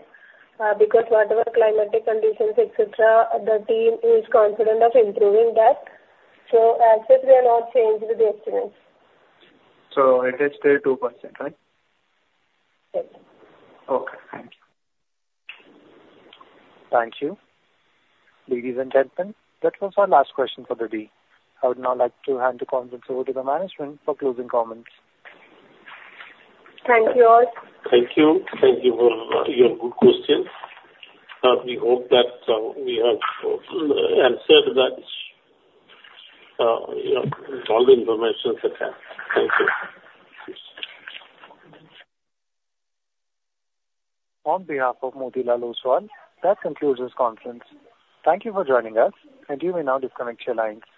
because whatever climatic conditions, etc., the team is confident of improving that. So, as we are not changing the estimates. It has stayed 2%, right? Yes. Okay. Thank you. Thank you. Ladies and gentlemen, that was our last question for the day. I would now like to hand the conference over to the management for closing comments. Thank you all. Thank you. Thank you for your good questions. We hope that we have answered that all the information that I have. Thank you. On behalf of Motilal Oswal, that concludes this conference. Thank you for joining us, and you may now disconnect your lines.